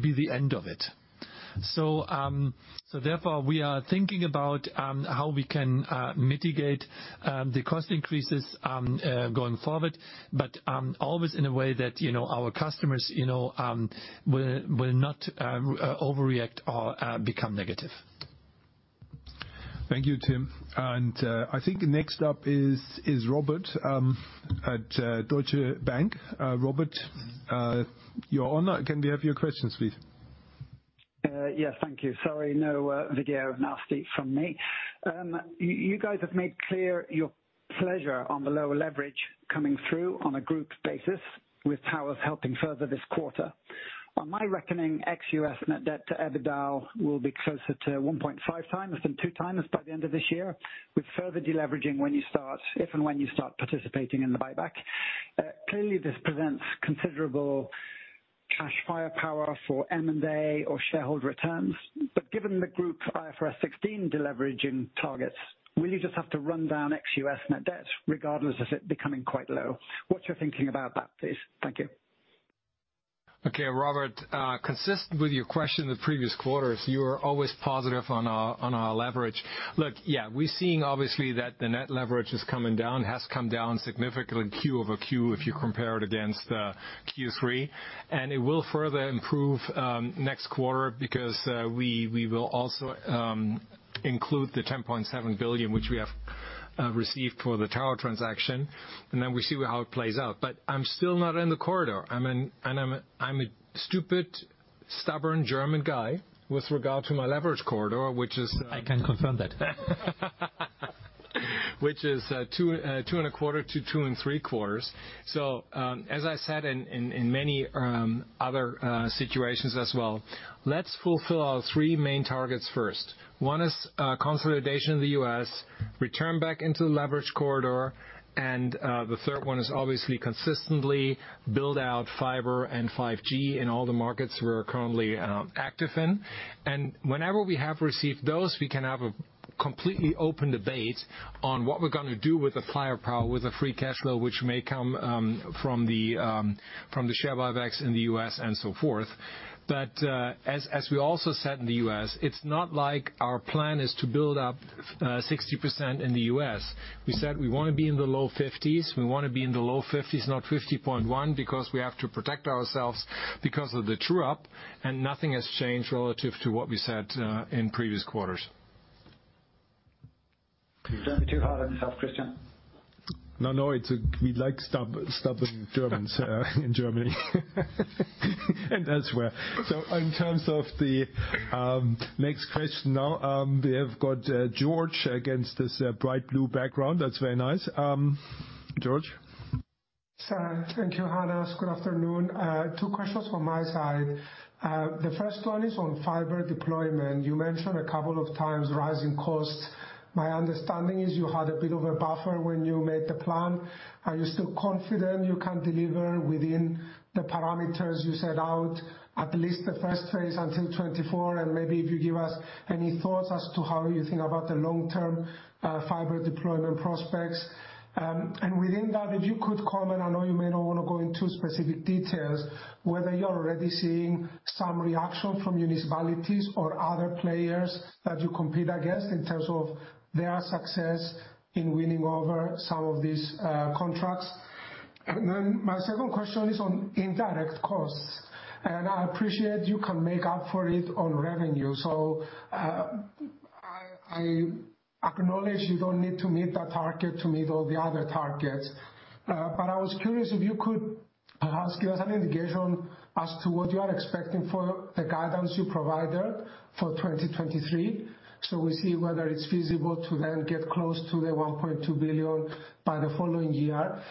be the end of it. Therefore, we are thinking about how we can mitigate the cost increases going forward, always in a way that, you know, our customers, you know, will not overreact or become negative. Thank you, Tim. I think next up is Robert, at Deutsche Bank. Robert, you're on. Can we have your questions, please? Yes, thank you. Sorry, no, video nasty from me. You guys have made clear your pleasure on the lower leverage coming through on a group basis with towers helping further this quarter. On my reckoning, ex-U.S. net debt to EBITDA will be closer to 1.5 times than 2 times by the end of this year, with further deleveraging when you start, if and when you start participating in the buyback. Clearly, this presents considerable cash firepower for M&A or shareholder returns. Given the group IFRS 16 deleveraging targets, will you just have to run down ex-U.S. net debt regardless of it becoming quite low? What's your thinking about that, please? Thank you. Okay, Robert, consistent with your question the previous quarters, you are always positive on our leverage. Look, yeah, we're seeing obviously that the net leverage is coming down, has come down significantly Q over Q if you compare it against Q3. It will further improve next quarter because we will also include the 10.7 billion which we have received for the tower transaction. Then we see how it plays out. I'm still not in the corridor. I'm a stupid, stubborn German guy with regard to my leverage corridor, which is. I can confirm that. Which is 2.25-2.75. As I said in many other situations as well, let's fulfill our three main targets first. One is consolidation in the U.S., return back into the leverage corridor, and the third one is obviously consistently build out fiber and 5G in all the markets we're currently active in. Whenever we have received those, we can have a completely open debate on what we're gonna do with the firepower, with the free cash flow which may come from the share buybacks in the U.S. and so forth. As we also said in the U.S., it's not like our plan is to build up 60% in the U.S. We said we wanna be in the low 50s. We wanna be in the low fifties, not 50.1, because we have to protect ourselves because of the true up, and nothing has changed relative to what we said in previous quarters. Is Germany too hard on you, Christian? No, no, it's a we like stubborn Germans in Germany and elsewhere. In terms of the next question now, we have got George against this bright blue background. That's very nice. George? Thank you, Hannah. Good afternoon. Two questions from my side. The first one is on fiber deployment. You mentioned a couple of times rising costs. My understanding is you had a bit of a buffer when you made the plan. Are you still confident you can deliver within the parameters you set out, at least the first phase until 2024? Maybe if you give us any thoughts as to how you think about the long-term fiber deployment prospects. Within that, if you could comment, I know you may not wanna go into specific details, whether you're already seeing some reaction from municipalities or other players that you compete, I guess, in terms of their success in winning over some of these contracts. My second question is on indirect costs. I appreciate you can make up for it on revenue. I acknowledge you don't need to meet that target to meet all the other targets. I was curious if you could perhaps give us an indication as to what you are expecting for the guidance you provided for 2023. We see whether it's feasible to then get close to 1.2 billion by the following year.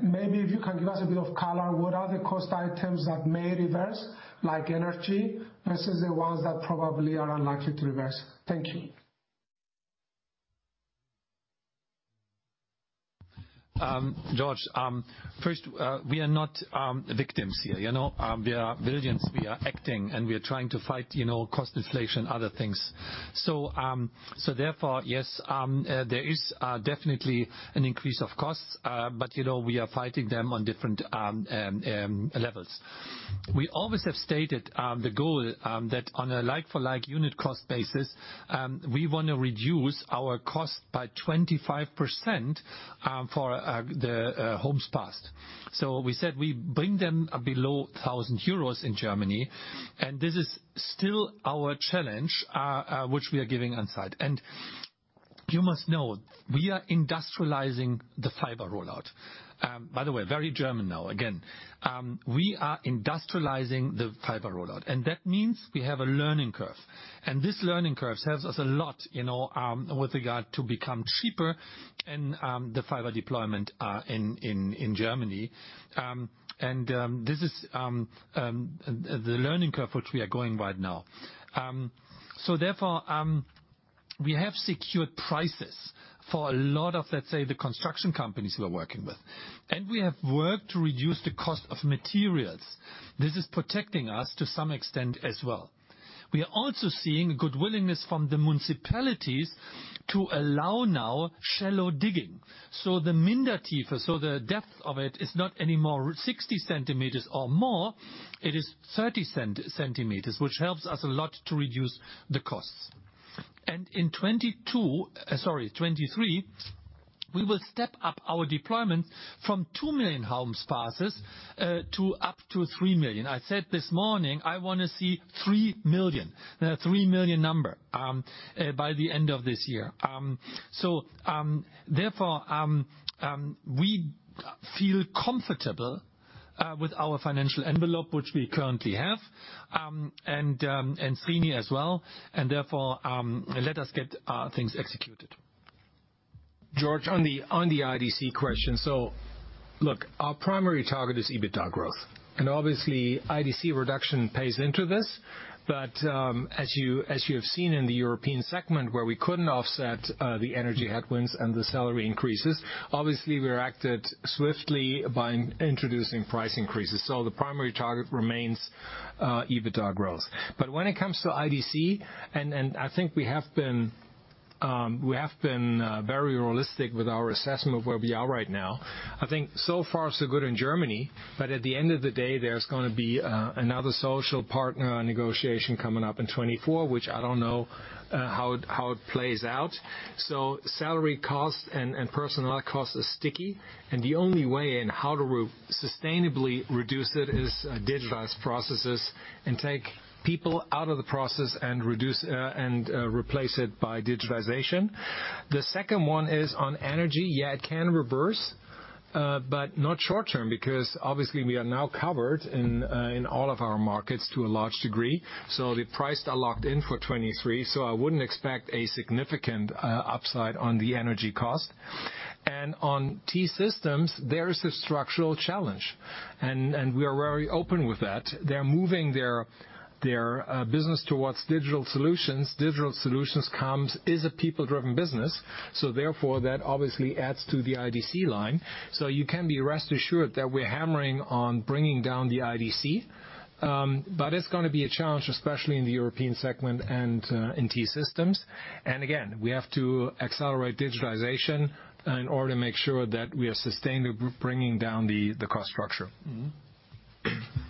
Maybe if you can give us a bit of color, what are the cost items that may reverse, like energy, versus the ones that probably are unlikely to reverse? Thank you. George, first, we are not victims here, you know. We are billions, we are acting, and we are trying to fight, you know, cost inflation, other things. Therefore, yes, there is definitely an increase of costs, but you know, we are fighting them on different levels. We always have stated the goal that on a like for like unit cost basis, we wanna reduce our cost by 25% for the homes passed. We said we bring them below 1,000 euros in Germany, and this is still our challenge, which we are giving insight. You must know we are industrializing the fiber rollout. By the way, very German now, again. We are industrializing the fiber rollout, and that means we have a learning curve. This learning curve helps us a lot, you know, with regard to become cheaper in the fiber deployment in Germany. This is the learning curve which we are going right now. Therefore, we have secured prices for a lot of, let's say, the construction companies we're working with. We have worked to reduce the cost of materials. This is protecting us to some extent as well. We are also seeing good willingness from the municipalities to allow now shallow digging. The Mindertiefe, so the depth of it is not anymore 60 centimeters or more, it is 30 centimeters, which helps us a lot to reduce the costs. In 2022, sorry, 2023, we will step up our deployment from 2 million homes passes, to up to 3 million. I said this morning, I wanna see 3 million, the 3 million number, by the end of this year. Therefore, we feel comfortable with our financial envelope, which we currently have, and Srini as well. Therefore, let us get things executed. George, on the IDC question. Look, our primary target is EBITDA growth. Obviously IDC reduction pays into this. As you have seen in the European segment where we couldn't offset the energy headwinds and the salary increases, obviously we reacted swiftly by introducing price increases. The primary target remains EBITDA growth. When it comes to IDC, and I think we have been very realistic with our assessment of where we are right now. I think so far so good in Germany, but at the end of the day, there's gonna be another social partner negotiation coming up in 2024, which I don't know how it plays out. Salary costs and personnel costs are sticky. The only way in how to sustainably reduce it is digitize processes and take people out of the process and reduce and replace it by digitization. The second one is on energy. Yeah, it can reverse, but not short term because obviously we are now covered in all of our markets to a large degree. The price are locked in for 2023, so I wouldn't expect a significant upside on the energy cost. On T-Systems, there is a structural challenge, and we are very open with that. They're moving their business towards digital solutions. Digital solutions is a people-driven business, so therefore that obviously adds to the IDC line. You can be rest assured that we're hammering on bringing down the IDC. It's gonna be a challenge, especially in the European segment and in T-Systems. Again, we have to accelerate digitization in order to make sure that we are sustainably bringing down the cost structure. Mm-hmm.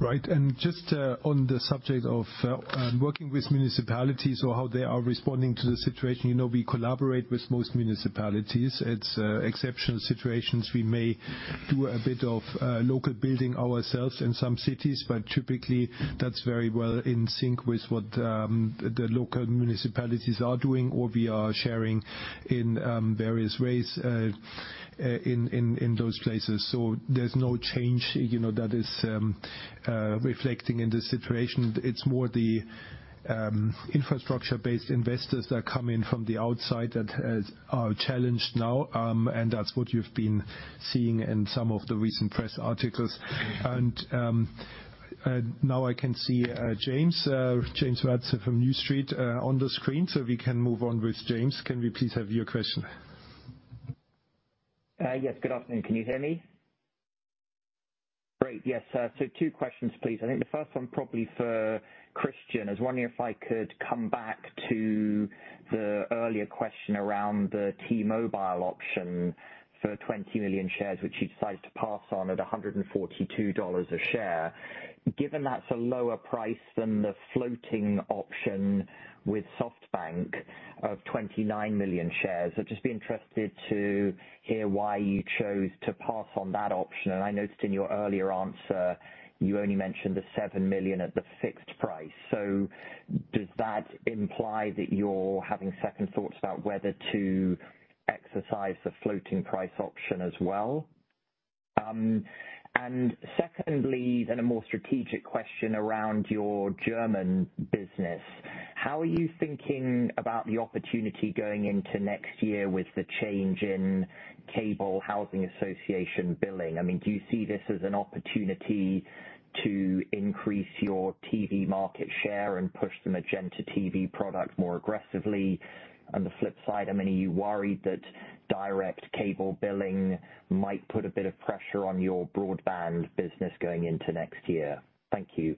Right. Just on the subject of working with municipalities or how they are responding to the situation. You know, we collaborate with most municipalities. It's exceptional situations, we may do a bit of local building ourselves in some cities, but typically that's very well in sync with what the local municipalities are doing, or we are sharing in various ways in those places. There's no change, you know, that is reflecting in this situation. It's more the infrastructure-based investors that come in from the outside that are challenged now, that's what you've been seeing in some of the recent press articles. Now I can see James Ratzer from New Street Research on the screen, so we can move on with James. Can we please have your question? Yes. Good afternoon. Can you hear me? Great, yes. Two questions, please. I think the first one probably for Christian. I was wondering if I could come back to the earlier question around the T-Mobile option for 20 million shares, which you decided to pass on at $142 a share. Given that's a lower price than the floating option with SoftBank of 29 million shares, I'd just be interested to hear why you chose to pass on that option. I noticed in your earlier answer, you only mentioned the 7 million at the fixed price. Does that imply that you're having second thoughts about whether to exercise the floating price option as well? Secondly, a more strategic question around your German business. How are you thinking about the opportunity going into next year with the change in cable housing association billing? I mean, do you see this as an opportunity to increase your TV market share and push the MagentaTV product more aggressively? On the flip side, I mean, are you worried that direct cable billing might put a bit of pressure on your broadband business going into next year? Thank you.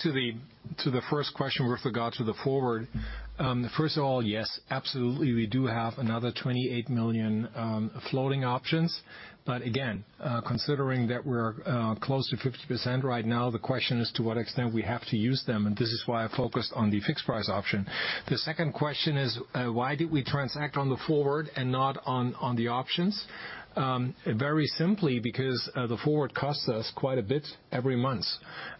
To the first question with regard to the forward. First of all, yes, absolutely we do have another 28 million floating options. Again, considering that we're close to 50% right now, the question is to what extent we have to use them, and this is why I focused on the fixed price option. The second question is, why did we transact on the forward and not on the options? Very simply because the forward costs us quite a bit every month.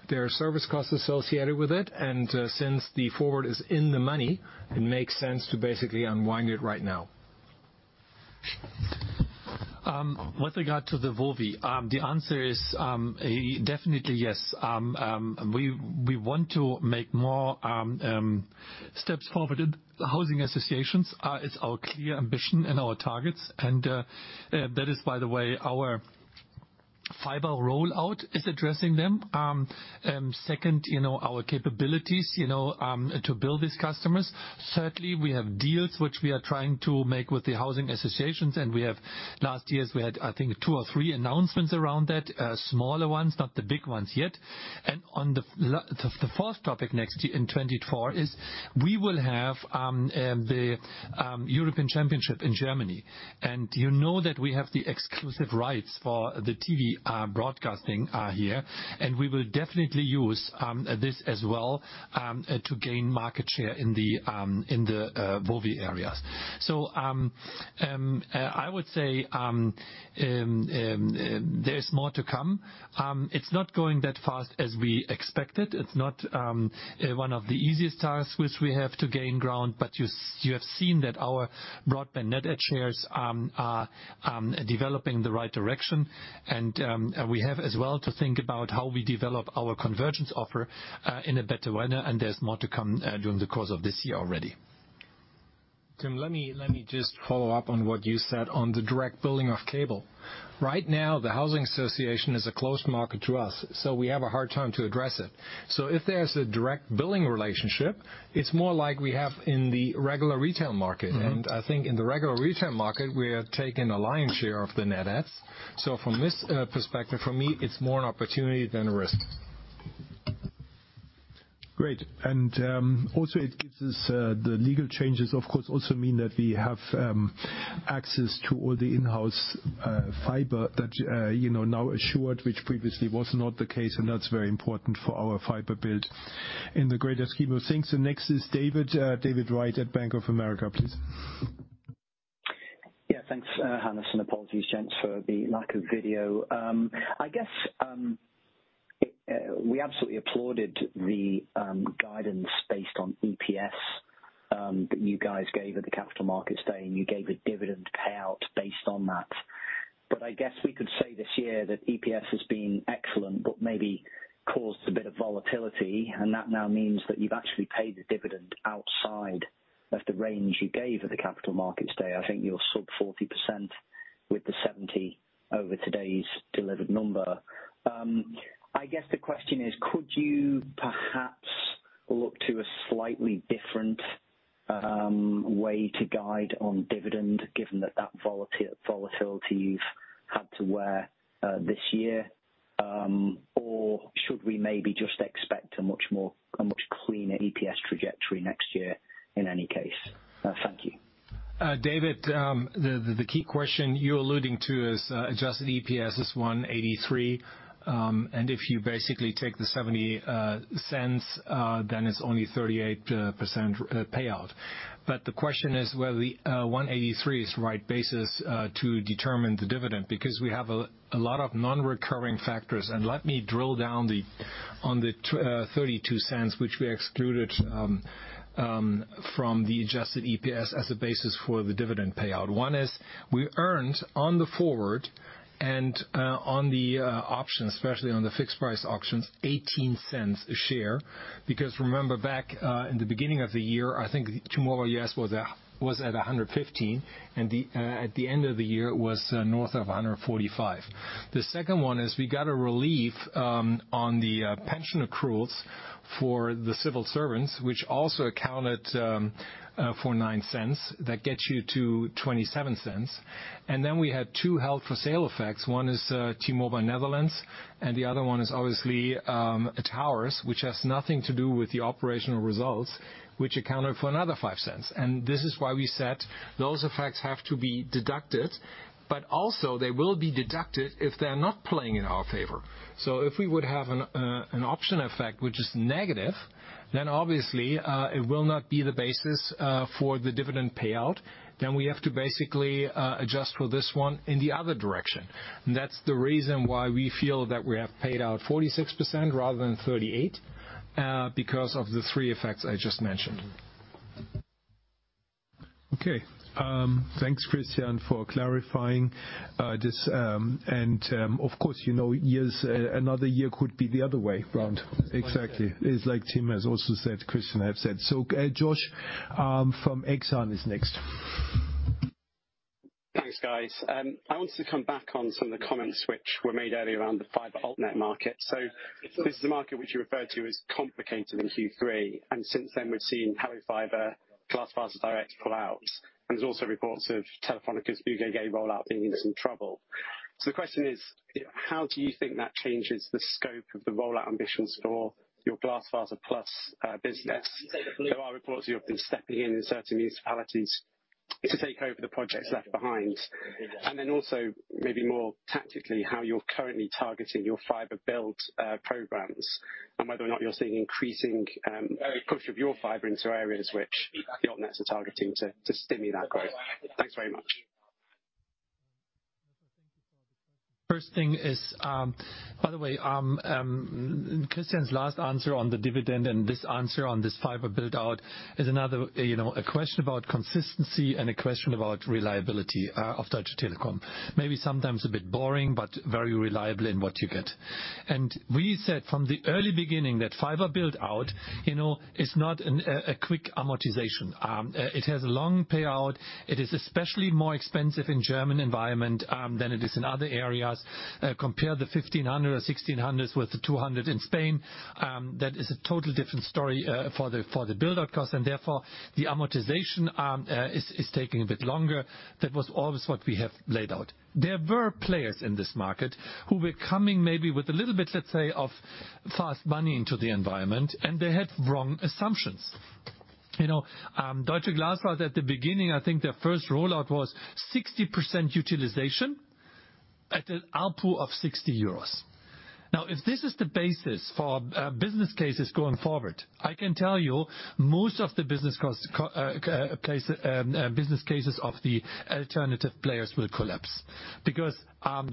There are service costs associated with it and since the forward is in the money, it makes sense to basically unwind it right now. With regard to the WoWi, the answer is definitely yes. We want to make more steps forward. Housing associations is our clear ambition and our targets. That is, by the way, our fiber rollout is addressing them. Second, you know, our capabilities, you know, to build these customers. Thirdly, we have deals which we are trying to make with the housing associations, and last years, we had, I think, two or three announcements around that. Smaller ones, not the big ones yet. On the fourth topic next year in 24 is we will have the European Championship in Germany. You know that we have the exclusive rights for the TV broadcasting here. We will definitely use this as well to gain market share in the WoWi areas. There is more to come. It's not going that fast as we expected. It's not one of the easiest tasks which we have to gain ground. You have seen that our broadband net add shares are developing the right direction. We have as well to think about how we develop our convergence offer in a better way. There's more to come during the course of this year already. Tim, let me just follow up on what you said on the direct billing of cable. Right now, the housing association is a closed market to us, so we have a hard time to address it. If there's a direct billing relationship, it's more like we have in the regular retail market. Mm-hmm. I think in the regular retail market, we are taking a lion's share of the net adds. From this perspective, for me, it's more an opportunity than a risk. Great. Also it gives us the legal changes, of course, also mean that we have access to all the in-house fiber that, you know, now assured, which previously was not the case, and that's very important for our fiber build in the greater scheme of things. Next is David Wright at Bank of America, please. Yeah, thanks, Hannes, apologies gents for the lack of video. I guess we absolutely applauded the guidance based on EPS that you guys gave at the Capital Markets Day, and you gave a dividend payout based on that. I guess we could say this year that EPS has been excellent but maybe caused a bit of volatility, and that now means that you've actually paid the dividend outside of the range you gave at the Capital Markets Day. I think you're sub 40% with the 70 over today's delivered number. I guess the question is, could you perhaps look to a slightly different way to guide on dividend given that volatility you've had to wear this year? Or should we maybe just expect a much cleaner EPS trajectory next year in any case? Thank you. David, the key question you're alluding to is, adjusted EPS is 1.83. If you basically take the 0.70, then it's only 38% payout. The question is whether the 1.83 is the right basis to determine the dividend because we have a lot of non-recurring factors. Let me drill down on the 0.32, which we excluded from the adjusted EPS as a basis for the dividend payout. One is we earned on the forward and on the options, especially on the fixed price options, 0.18 a share. Remember back in the beginning of the year, I think T-Mobile US was at $115, and at the end of the year it was north of $145. The second one is we got a relief on the pension accruals for the civil servants, which also accounted for 0.09. That gets you to 0.27. We had two held-for-sale effects. One is T-Mobile Netherlands and the other one is obviously Towers, which has nothing to do with the operational results, which accounted for another 0.05. This is why we said those effects have to be deducted, but also they will be deducted if they're not playing in our favor. If we would have an option effect which is negative, then obviously, it will not be the basis for the dividend payout. We have to basically adjust for this one in the other direction. That's the reason why we feel that we have paid out 46% rather than 38%, because of the three effects I just mentioned. Okay. Thanks, Christian, for clarifying this. Of course, you know, years, another year could be the other way around. Exactly. It's like Tim has also said, Christian had said. Josh from Exane is next. Thanks, guys. I wanted to come back on some of the comments which were made earlier around the fiber Altnet market. This is a market which you referred to as complicated in Q3, and since then we've seen helloFiber, Glasfaser Direkt pull out. There's also reports of Telefónica's UGG rollout being in some trouble. The question is, how do you think that changes the scope of the rollout ambitions for your GlasfaserPlus business? There are reports you have been stepping in in certain municipalities to take over the projects left behind. Also, maybe more tactically, how you're currently targeting your fiber build programs and whether or not you're seeing increasing push of your fiber into areas which the Altnets are targeting to stimulate growth. Thanks very much. First thing is, by the way, Christian's last answer on the dividend and this answer on this fiber build out is another, you know, a question about consistency and a question about reliability of Deutsche Telekom. Maybe sometimes a bit boring, but very reliable in what you get. We said from the early beginning that fiber build out, you know, is not an quick amortization. It has a long payout. It is especially more expensive in German environment than it is in other areas. Compare the 1,500 or 1,600 with the 200 in Spain. That is a total different story for the build out cost, and therefore, the amortization is taking a bit longer. That was always what we have laid out. There were players in this market who were coming maybe with a little bit, let's say, of fast money into the environment, and they had wrong assumptions. You know, Deutsche Glasfaser was at the beginning, I think their first rollout was 60% utilization at an output of 60 euros. If this is the basis for business cases going forward, I can tell you most of the business cost place, business cases of the alternative players will collapse because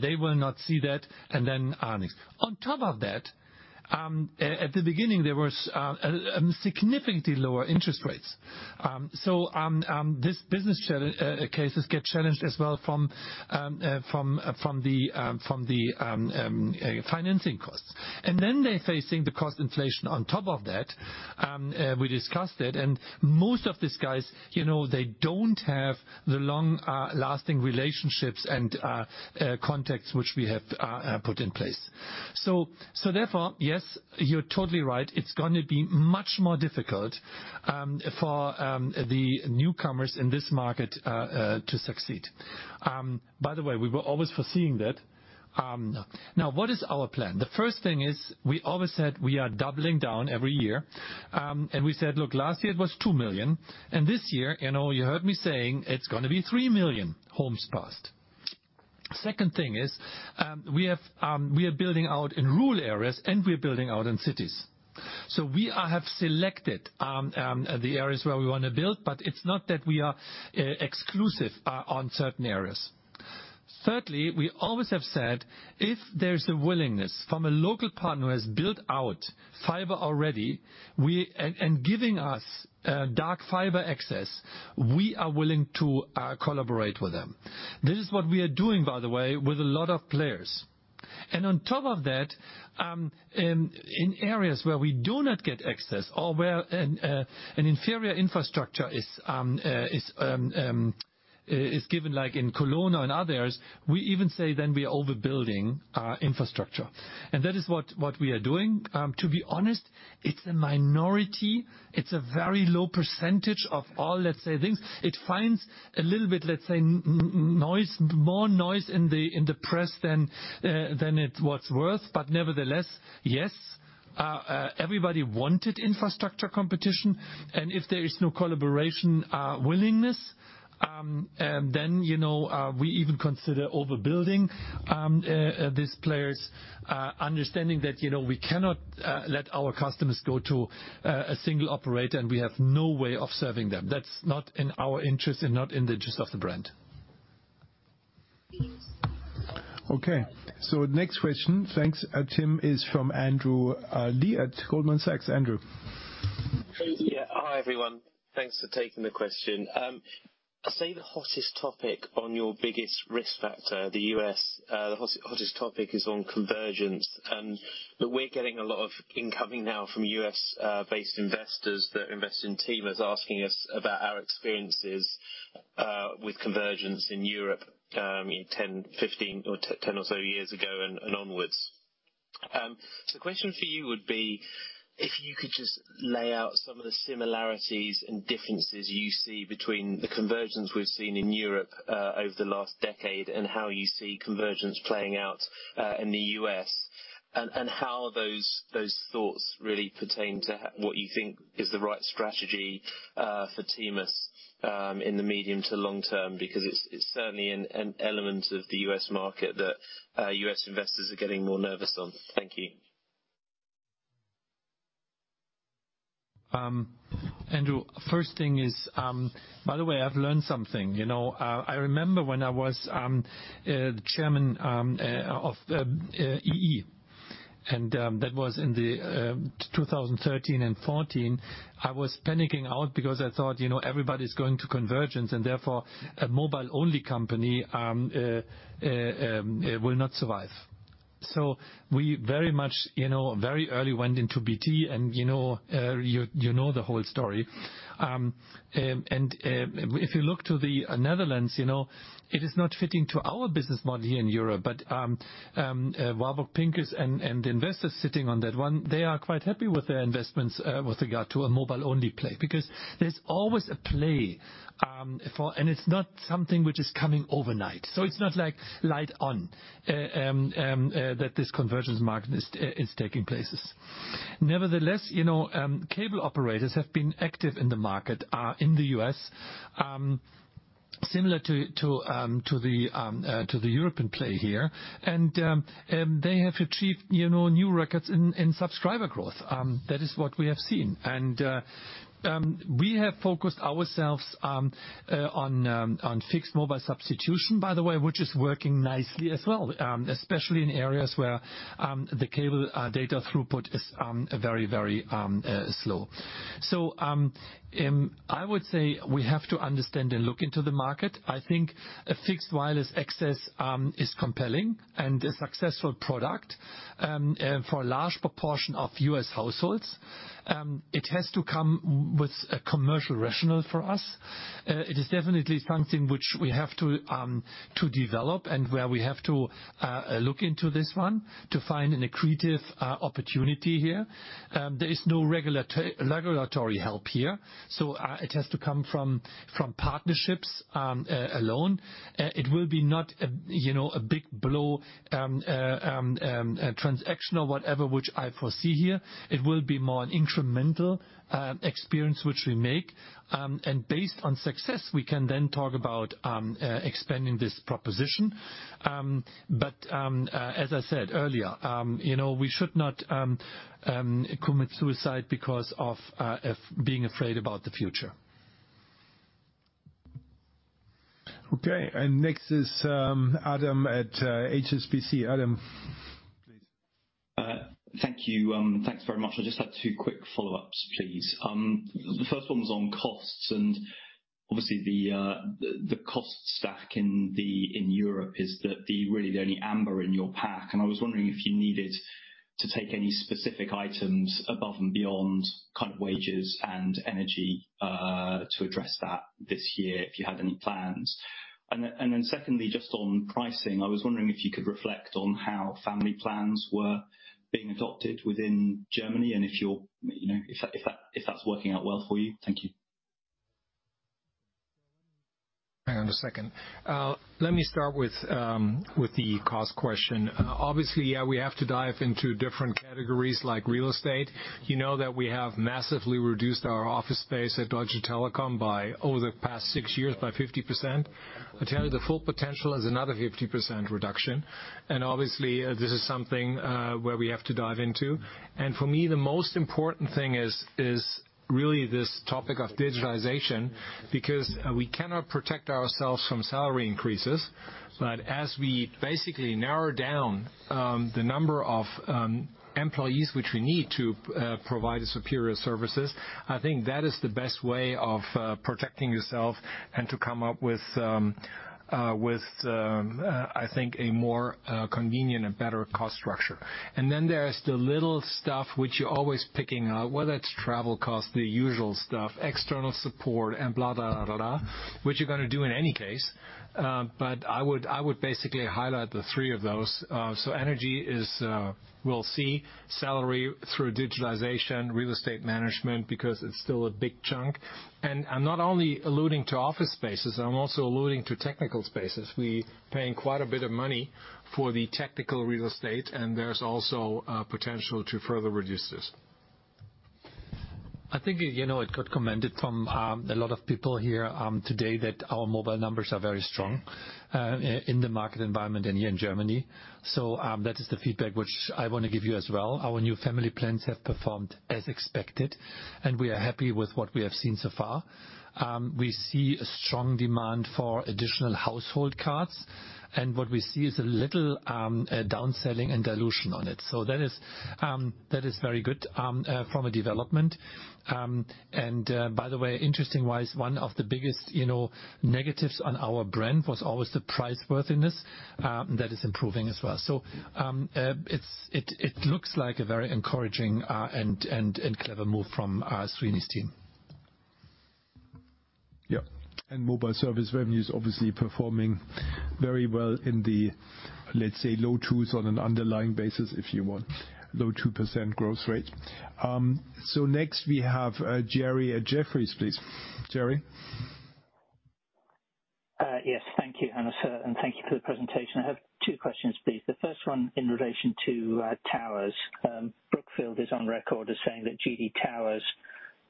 they will not see that and then earnings. On top of that, at the beginning, there was significantly lower interest rates. This business cases get challenged as well from the financing costs. They're facing the cost inflation on top of that. We discussed it and most of these guys, you know, they don't have the long lasting relationships and contacts which we have put in place. Therefore, yes, you're totally right. It's gonna be much more difficult for the newcomers in this market to succeed. By the way, we were always foreseeing that. Now what is our plan? The first thing is we always said we are doubling down every year. We said, look, last year it was 2 million, and this year, you know, you heard me saying it's gonna be 3 million homes passed. Second thing is, we have, we are building out in rural areas, and we are building out in cities. We have selected the areas where we wanna build, but it's not that we are exclusive on certain areas. Thirdly, we always have said if there's a willingness from a local partner who has built out fiber already, and giving us dark fiber access, we are willing to collaborate with them. This is what we are doing, by the way, with a lot of players. On top of that, in areas where we do not get access or where an inferior infrastructure is given, like in Cologne or in others, we even say then we are overbuilding our infrastructure. That is what we are doing. To be honest, it's a minority. It's a very low percentage of all, let's say, things. It finds a little bit, let's say noise, more noise in the press than it was worth. But nevertheless, yes, everybody wanted infrastructure competition. If there is no collaboration, you know, we even consider overbuilding these players, understanding that, you know, we cannot let our customers go to a single operator and we have no way of serving them. That's not in our interest and not in the interest of the brand. Okay. next question, thanks, Tim, is from Andrew Lee at Goldman Sachs. Andrew. Yeah. Hi, everyone. Thanks for taking the question. I say the hottest topic on your biggest risk factor, the U.S., the hottest topic is on convergence. We're getting a lot of incoming now from U.S. based investors that invest in T-Mobile is asking us about our experiences with convergence in Europe, you know, 10, 15 or 10 or so years ago and onwards. The question for you would be if you could just lay out some of the similarities and differences you see between the convergence we've seen in Europe, over the last decade and how you see convergence playing out, in the US, and how those thoughts really pertain to what you think is the right strategy, for T-Mobile US, in the medium to long term, because it's certainly an element of the US market that, US investors are getting more nervous on. Thank you. Andrew, first thing is, by the way, I've learned something. You know, I remember when I was chairman of EE, and that was in the 2013 and 2014. I was panicking out because I thought, you know, everybody's going to convergence, and therefore a mobile-only company will not survive. We very much, you know, very early went into BT and you know, you know the whole story. If you look to the Netherlands, you know, it is not fitting to our business model here in Europe. Warburg Pincus and the investors sitting on that one, they are quite happy with their investments with regard to a mobile-only play, because there's always a play for... It's not something which is coming overnight. It's not like light on that this convergence market is taking places. Nevertheless, you know, cable operators have been active in the market in the U.S., similar to to the European play here. They have achieved, you know, new records in subscriber growth. That is what we have seen. We have focused ourselves on fixed mobile substitution, by the way, which is working nicely as well, especially in areas where the cable data throughput is very, very slow. I would say we have to understand and look into the market. I think a fixed wireless access is compelling and a successful product for a large proportion of U.S. households. It has to come with a commercial rationale for us. It is definitely something which we have to develop and where we have to look into this one to find an accretive opportunity here. There is no regulatory help here, so it has to come from partnerships alone. It will be not a, you know, a big blow transaction or whatever, which I foresee here. It will be more an incremental experience which we make. Based on success, we can then talk about expanding this proposition. As I said earlier, you know, we should not commit suicide because of being afraid about the future. Okay. Next is Adam at HSBC. Adam, please. Thank you. Thanks very much. I just have two quick follow-ups, please. The first one was on costs, and obviously the cost stack in Europe is the really the only amber in your pack. I was wondering if you needed to take any specific items above and beyond kind of wages and energy to address that this year, if you had any plans. Then secondly, just on pricing, I was wondering if you could reflect on how family plans were being adopted within Germany and if you're, you know, if that's working out well for you. Thank you. Hang on a second. Let me start with the cost question. Obviously, we have to dive into different categories like real estate. You know that we have massively reduced our office space at Deutsche Telekom, over the past six years, by 50%. I tell you the full potential is another 50% reduction. Obviously, this is something where we have to dive into. For me, the most important thing is really this topic of digitalization, because we cannot protect ourselves from salary increases. As we basically narrow down the number of employees which we need to provide superior services, I think that is the best way of protecting yourself and to come up with, I think, a more convenient and better cost structure. There's the little stuff which you're always picking out, whether it's travel costs, the usual stuff, external support and blah, da, da, which you're gonna do in any case. I would basically highlight the three of those. Energy is, we'll see. Salary through digitalization. Real estate management because it's still a big chunk. I'm not only alluding to office spaces, I'm also alluding to technical spaces. We paying quite a bit of money for the technical real estate, and there's also potential to further reduce this. I think, you know, it got commented from a lot of people here today that our mobile numbers are very strong in the market environment and here in Germany. That is the feedback which I wanna give you as well. Our new family plans have performed as expected, and we are happy with what we have seen so far. We see a strong demand for additional household cards, and what we see is a little down selling and dilution on it. That is very good from a development. By the way, interesting-wise, one of the biggest, you know, negatives on our brand was always the price worthiness, that is improving as well. It looks like a very encouraging and clever move from Srini's team. Yeah. mobile service revenue is obviously performing very well in the, let's say, low 2s on an underlying basis, if you want. Low 2% growth rate. next we have, Jerry at Jefferies, please. Jerry? Yes. Thank you, Hannes, sir, and thank you for the presentation. I have two questions, please. The first one in relation to towers. Brookfield is on record as saying that GD Towers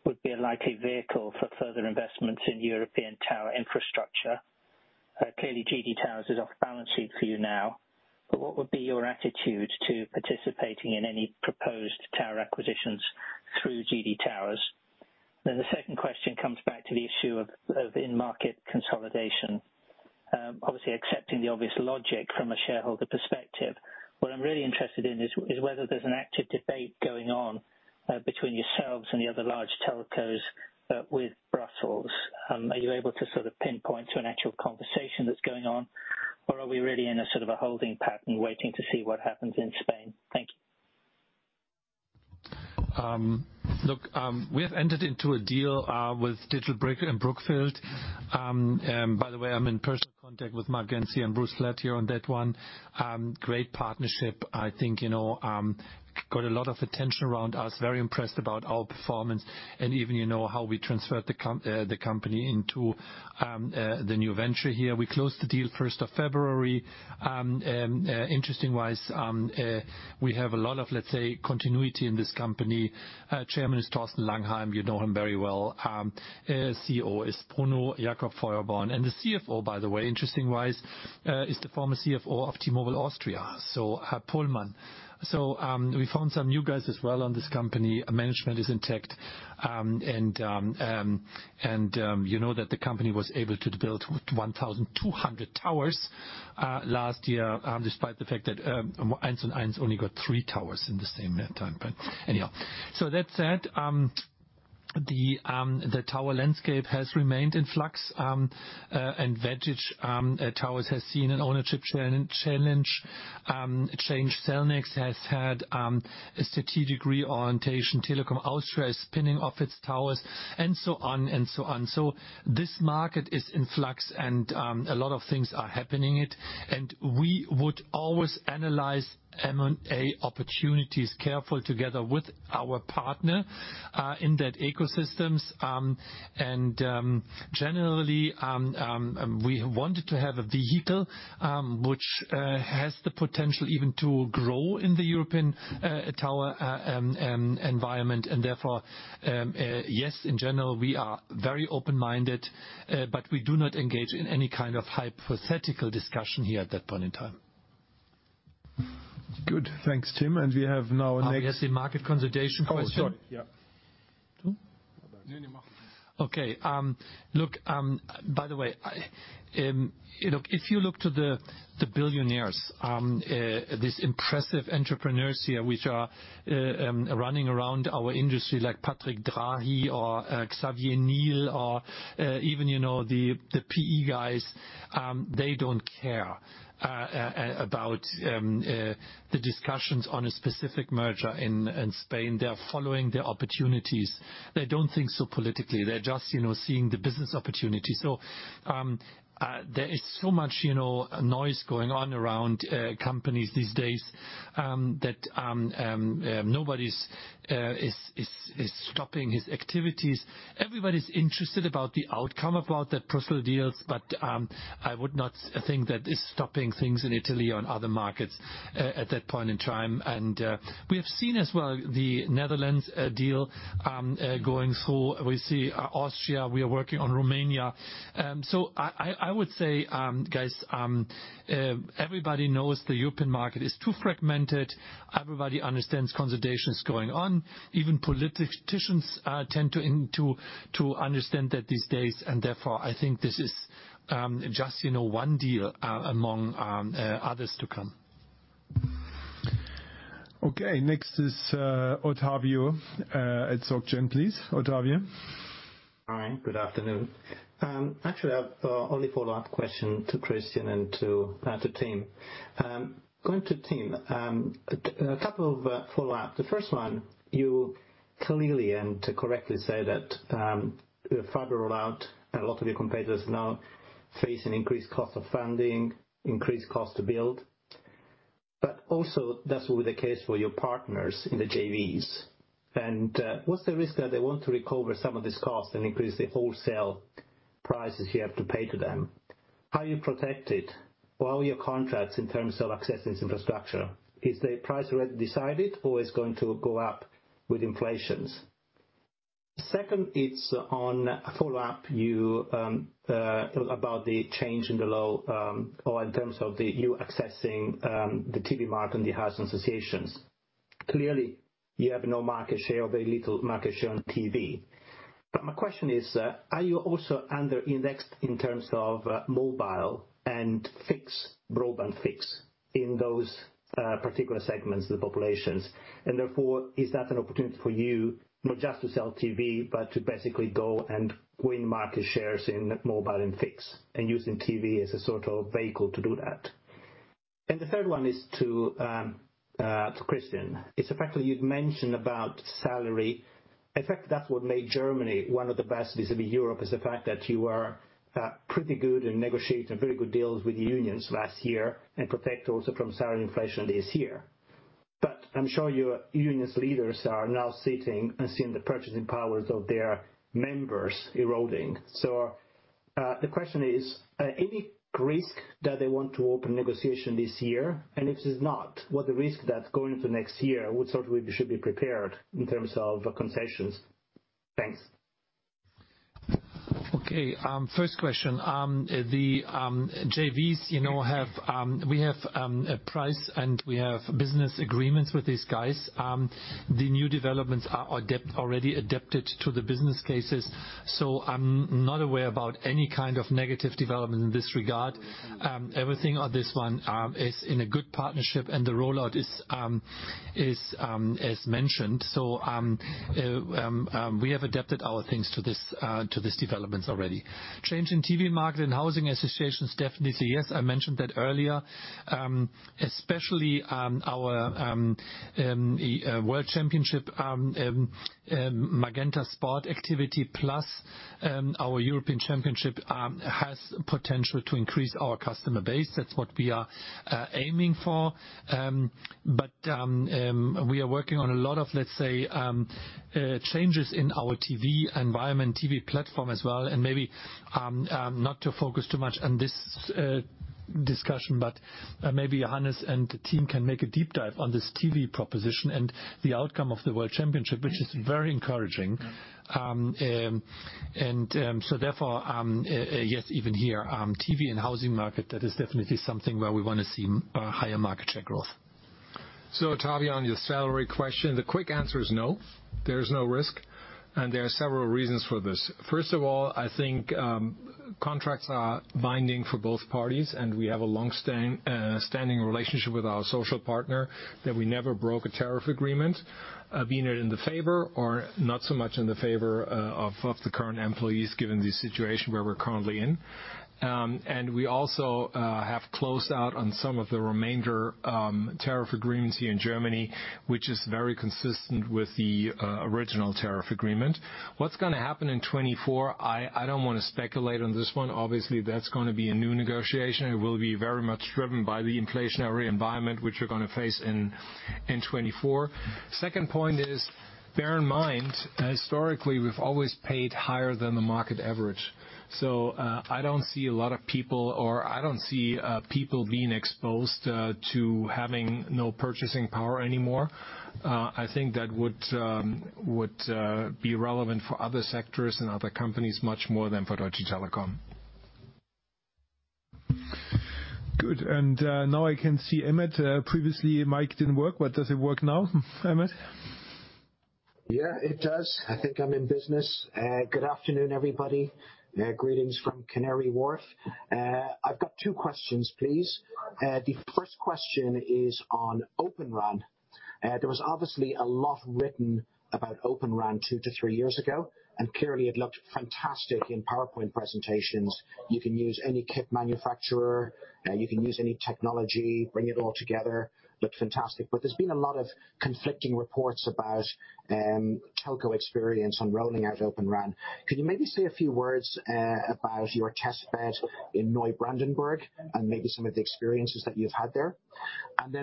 would be a likely vehicle for further investments in European tower infrastructure. Clearly, GD Towers is off balance sheet for you now, but what would be your attitude to participating in any proposed tower acquisitions through GD Towers? The second question comes back to the issue of in-market consolidation. Obviously, accepting the obvious logic from a shareholder perspective, what I'm really interested in is whether there's an active debate going on between yourselves and the other large telcos with Brussels? Are you able to sort of pinpoint to an actual conversation that's going on, or are we really in a sort of a holding pattern, waiting to see what happens in Spain? Thank you. Look, we have entered into a deal with DigitalBridge and Brookfield. By the way, I'm in personal contact with Marc Ganzi and Bruce Slayton on that one. Great partnership. I think, you know, got a lot of attention around us. Very impressed about our performance and even, you know, how we transferred the company into the new venture here. We closed the deal first of February. Interesting-wise, we have a lot of, let's say, continuity in this company. Chairman is Thorsten Langheim, you know him very well. CEO is Bruno Jacobfeuerborn. The CFO, by the way, interesting-wise, is the former CFO of T-Mobile Austria, so Pohlmann. We found some new guys as well on this company. Management is intact. you know that the company was able to build 1,200 towers last year despite the fact that 1&1 only got 3 towers in the same time. Anyhow. That said, the tower landscape has remained in flux, and Vantage Towers has seen an ownership challenge change. Cellnex has had a strategic reorientation. Telekom Austria is spinning off its towers, and so on and so on. This market is in flux, and a lot of things are happening it. We would always analyze M&A opportunities careful together with our partner in that ecosystems. Generally, we wanted to have a vehicle which has the potential even to grow in the European tower environment. Therefore, yes, in general, we are very open-minded, but we do not engage in any kind of hypothetical discussion here at that point in time. Good. Thanks, Tim. We have now next. Oh, yes, the market consolidation question. Oh, sorry, yeah. Okay. Look, by the way, I, you know, if you look to the billionaires, these impressive entrepreneurs here which are running around our industry like Patrick Drahi or Xavier Niel or even, you know, the PE guys, they don't care about the discussions on a specific merger in Spain. They are following the opportunities. They don't think so politically. They're just, you know, seeing the business opportunity. There is so much, you know, noise going on around companies these days that nobody's stopping his activities. Everybody's interested about the outcome about the Brussels deals, but I would not think that it's stopping things in Italy or in other markets at that point in time. We have seen as well the Netherlands deal going through. We see Austria, we are working on Romania. I, I would say, guys, everybody knows the European market is too fragmented. Everybody understands consolidation is going on. Even politicians tend to understand that these days. Therefore, I think this is just, you know, one deal among others to come. Okay. Next is Otavio at SocGen, please. Otavio? Hi, good afternoon. Actually, I've only follow-up question to Christian and to Tim. Going to Tim, a couple of follow-up. The first one, you clearly and correctly say that the fiber rollout and a lot of your competitors now face an increased cost of funding, increased cost to build. That's also the case for your partners in the JVs. What's the risk that they want to recover some of this cost and increase the wholesale prices you have to pay to them. How you protect it? While your contracts in terms of accessing this infrastructure, is the price rate decided or it's going to go up with inflation? Second, it's on a follow-up you about the change in the law or in terms of you accessing the TV market and the housing associations. Clearly, you have no market share or very little market share on TV. My question is, are you also under indexed in terms of mobile and broadband fix in those particular segments of the populations? Therefore, is that an opportunity for you not just to sell TV, but to basically go and win market shares in mobile and fix, and using TV as a sort of vehicle to do that. The third one is to Christian. It's the fact that you'd mentioned about salary. In fact, that's what made Germany one of the best, this will be Europe, is the fact that you are pretty good in negotiating pretty good deals with the unions last year and protect also from salary inflation this year. I'm sure your union's leaders are now sitting and seeing the purchasing powers of their members eroding. The question is, any risk that they want to open negotiation this year? If it's not, what the risk that's going into next year, what sort of way we should be prepared in terms of concessions? Thanks. First question, the JVs, you know, have, we have a price and we have business agreements with these guys. The new developments are already adapted to the business cases, so I'm not aware about any kind of negative development in this regard. Everything on this one is in a good partnership and the rollout is as mentioned. We have adapted our things to this, to this developments already. Change in TV market and housing associations, definitely yes. I mentioned that earlier. Especially, our world championship MagentaSport activity, plus our European Championship has potential to increase our customer base. That's what we are aiming for. We are working on a lot of, let's say, changes in our TV environment, TV platform as well, and maybe not to focus too much on this discussion, but maybe Hannes and the team can make a deep dive on this TV proposition and the outcome of the World Championship, which is very encouraging. Therefore, yes, even here, TV and housing market, that is definitely something where we wanna see higher market share growth. Ottavio, on your salary question, the quick answer is no. There is no risk, there are several reasons for this. First of all, I think contracts are binding for both parties, we have a long standing relationship with our social partner that we never broke a tariff agreement, being it in the favor or not so much in the favor of the current employees given the situation where we're currently in. We also have closed out on some of the remainder tariff agreements here in Germany, which is very consistent with the original tariff agreement. What's gonna happen in 2024, I don't wanna speculate on this one. Obviously, that's gonna be a new negotiation. It will be very much driven by the inflationary environment which we're gonna face in 2024. Second point is, bear in mind, historically, we've always paid higher than the market average. I don't see a lot of people or I don't see people being exposed to having no purchasing power anymore. I think that would be relevant for other sectors and other companies much more than for Deutsche Telekom. Good. now I can see Emmet. Previously, Mike didn't work. does it work now, Emmet? Yeah, it does. I think I'm in business. Good afternoon, everybody. Greetings from Canary Wharf. I've got 2 questions, please. The first question is on Open RAN. There was obviously a lot written about Open RAN 2-3 years ago, and clearly it looked fantastic in PowerPoint presentations. You can use any kit manufacturer, you can use any technology, bring it all together. Looked fantastic. But there's been a lot of conflicting reports about telco experience on rolling out Open RAN. Could you maybe say a few words about your test bed in Neubrandenburg and maybe some of the experiences that you've had there?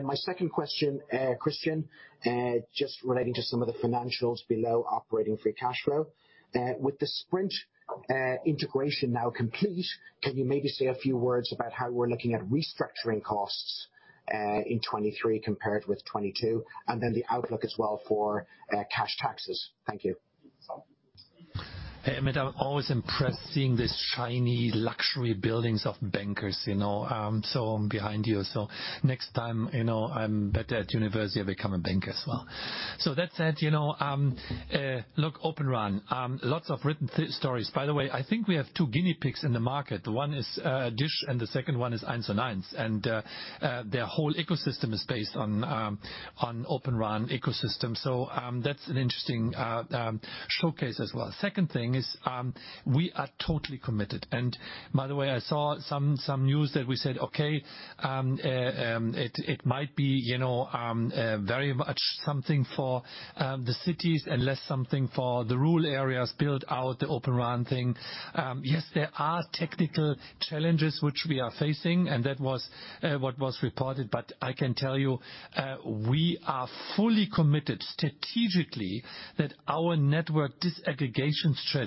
My second question, Christian, just relating to some of the financials below operating free cash flow. With the Sprint integration now complete, can you maybe say a few words about how we're looking at restructuring costs in 2023 compared with 2022, and then the outlook as well for cash taxes. Thank you. Emmet, I'm always impressed seeing these shiny luxury buildings of bankers, you know, so behind you. Next time, you know, I'm better at university, I become a banker as well. That said, you know, look, Open RAN, lots of written stories. By the way, I think we have two guinea pigs in the market. One is Dish and the second one is 1&1. Their whole ecosystem is based on on Open RAN ecosystem. That's an interesting showcase as well. Second thing is, we are totally committed. By the way, I saw some news that we said, "Okay, it might be, you know, very much something for the cities and less something for the rural areas build out the Open RAN thing." Yes, there are technical challenges which we are facing, and that was what was reported. I can tell you, we are fully committed strategically that our network disaggregation strategy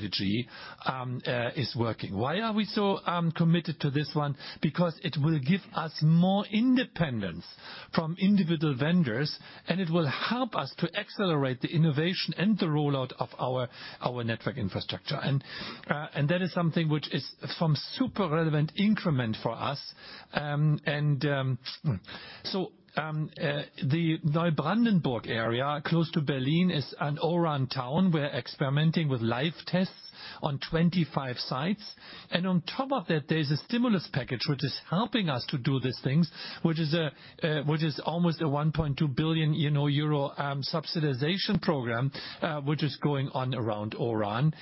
is working. Why are we so committed to this one? Because it will give us more independence from individual vendors, and it will help us to accelerate the innovation and the rollout of our network infrastructure. That is something which is from super relevant increment for us. So, the Neubrandenburg area close to Berlin is an O-RAN town. We're experimenting with live tests on 25 sites. On top of that, there is a stimulus package which is helping us to do these things, which is almost a 1.2 billion euro, you know, subsidization program, which is going on around O-RAN.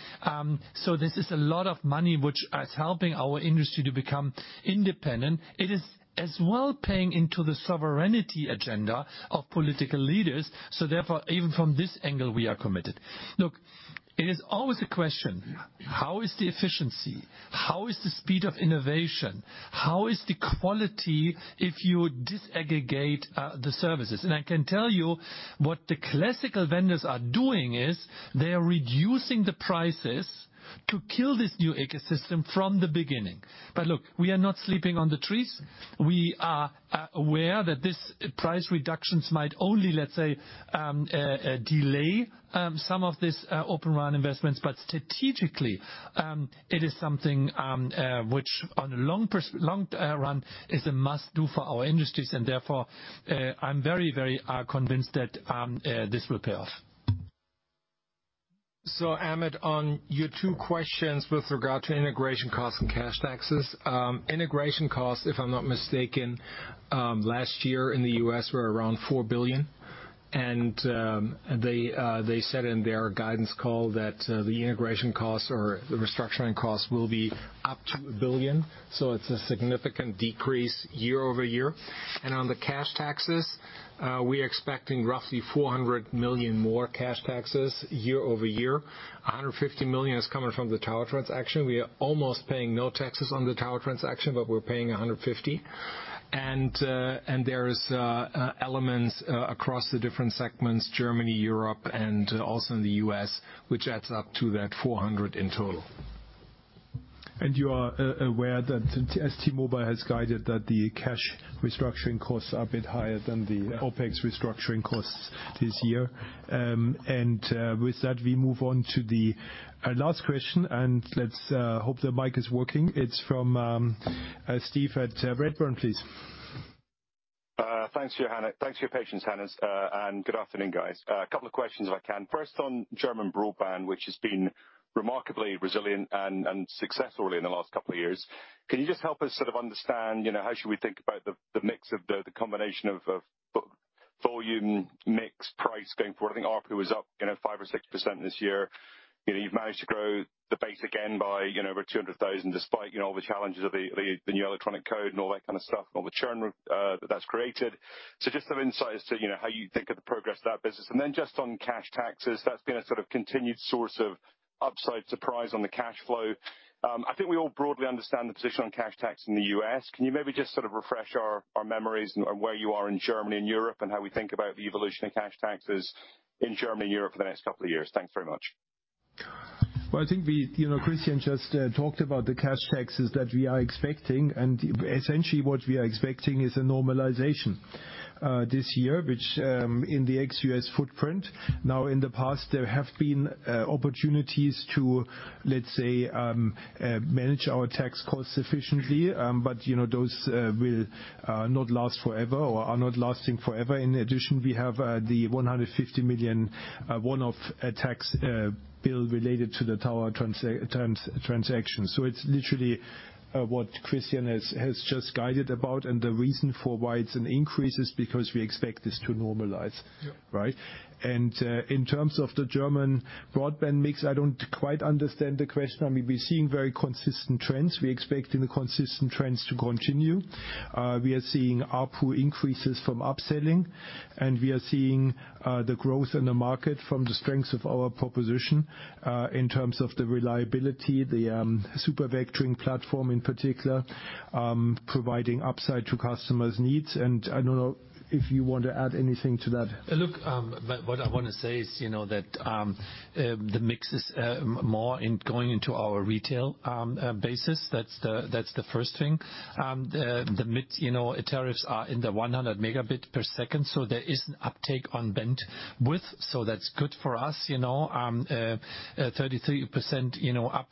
This is a lot of money which is helping our industry to become independent. It is as well paying into the sovereignty agenda of political leaders, therefore even from this angle we are committed. Look, it is always a question: How is the efficiency? How is the speed of innovation? How is the quality if you disaggregate the services? I can tell you what the classical vendors are doing is they are reducing the prices to kill this new ecosystem from the beginning. Look, we are not sleeping on the trees. We are aware that this price reductions might only, let's say, delay some of these Open RAN investments. Strategically, it is something which on a long run is a must-do for our industries, and therefore, I'm very, very convinced that this will pay off. Amit, on your two questions with regard to integration costs and cash taxes. Integration costs, if I'm not mistaken, last year in the U.S. were around $4 billion. They said in their guidance call that the integration costs or the restructuring costs will be up to $1 billion. It's a significant decrease year-over-year. On the cash taxes, we're expecting roughly 400 million more cash taxes year-over-year. 150 million is coming from the Tower transaction. We are almost paying no taxes on the Tower transaction, but we're paying 150 million. There is elements across the different segments, Germany, Europe, and also in the U.S., which adds up to that 400 million in total. You are aware that T-Mobile has guided that the cash restructuring costs are a bit higher than the OpEx restructuring costs this year. With that, we move on to the last question, and let's hope the mic is working. It's from Steve at Redburn, please. Thanks for your patience, Hannes. Good afternoon, guys. A couple of questions if I can. First on German broadband, which has been remarkably resilient and successful really in the last couple of years. Can you just help us sort of understand, you know, how should we think about the mix of the combination of volume, mix, price going forward? I think ARPU was up, you know, 5% or 6% this year. You know, you've managed to grow the base again by, you know, over 200,000, despite, you know, all the challenges of the new electronic code and all that kind of stuff and all the churn that's created. Just some insight as to, you know, how you think of the progress of that business. Just on cash taxes, that's been a sort of continued source of upside surprise on the cash flow. I think we all broadly understand the position on cash tax in the U.S. Can you maybe just sort of refresh our memories on where you are in Germany and Europe, and how we think about the evolution of cash taxes in Germany and Europe for the next couple of years? Thanks very much. Well, I think we, you know, Christian just talked about the cash taxes that we are expecting. Essentially what we are expecting is a normalization this year, which in the ex-U.S. footprint. In the past, there have been opportunities to, let's say, manage our tax costs efficiently. You know, those will not last forever or are not lasting forever. In addition, we have the 150 million one-off tax bill related to the Tower transaction. It's literally what Christian has just guided about. The reason for why it's an increase is because we expect this to normalize. Yeah. Right? In terms of the German broadband mix, I don't quite understand the question. I mean, we're seeing very consistent trends. We're expecting the consistent trends to continue. We are seeing ARPU increases from upselling, and we are seeing the growth in the market from the strengths of our proposition, in terms of the reliability, the Super-Vectoring platform in particular, providing upside to customers' needs. I don't know if you want to add anything to that. Look, what I wanna say is, you know, that the mix is more in going into our retail basis. That's the first thing. The mid, you know, tariffs are in the 100 megabit per second, so there is an uptake on bandwidth, so that's good for us, you know. 33%, you know, up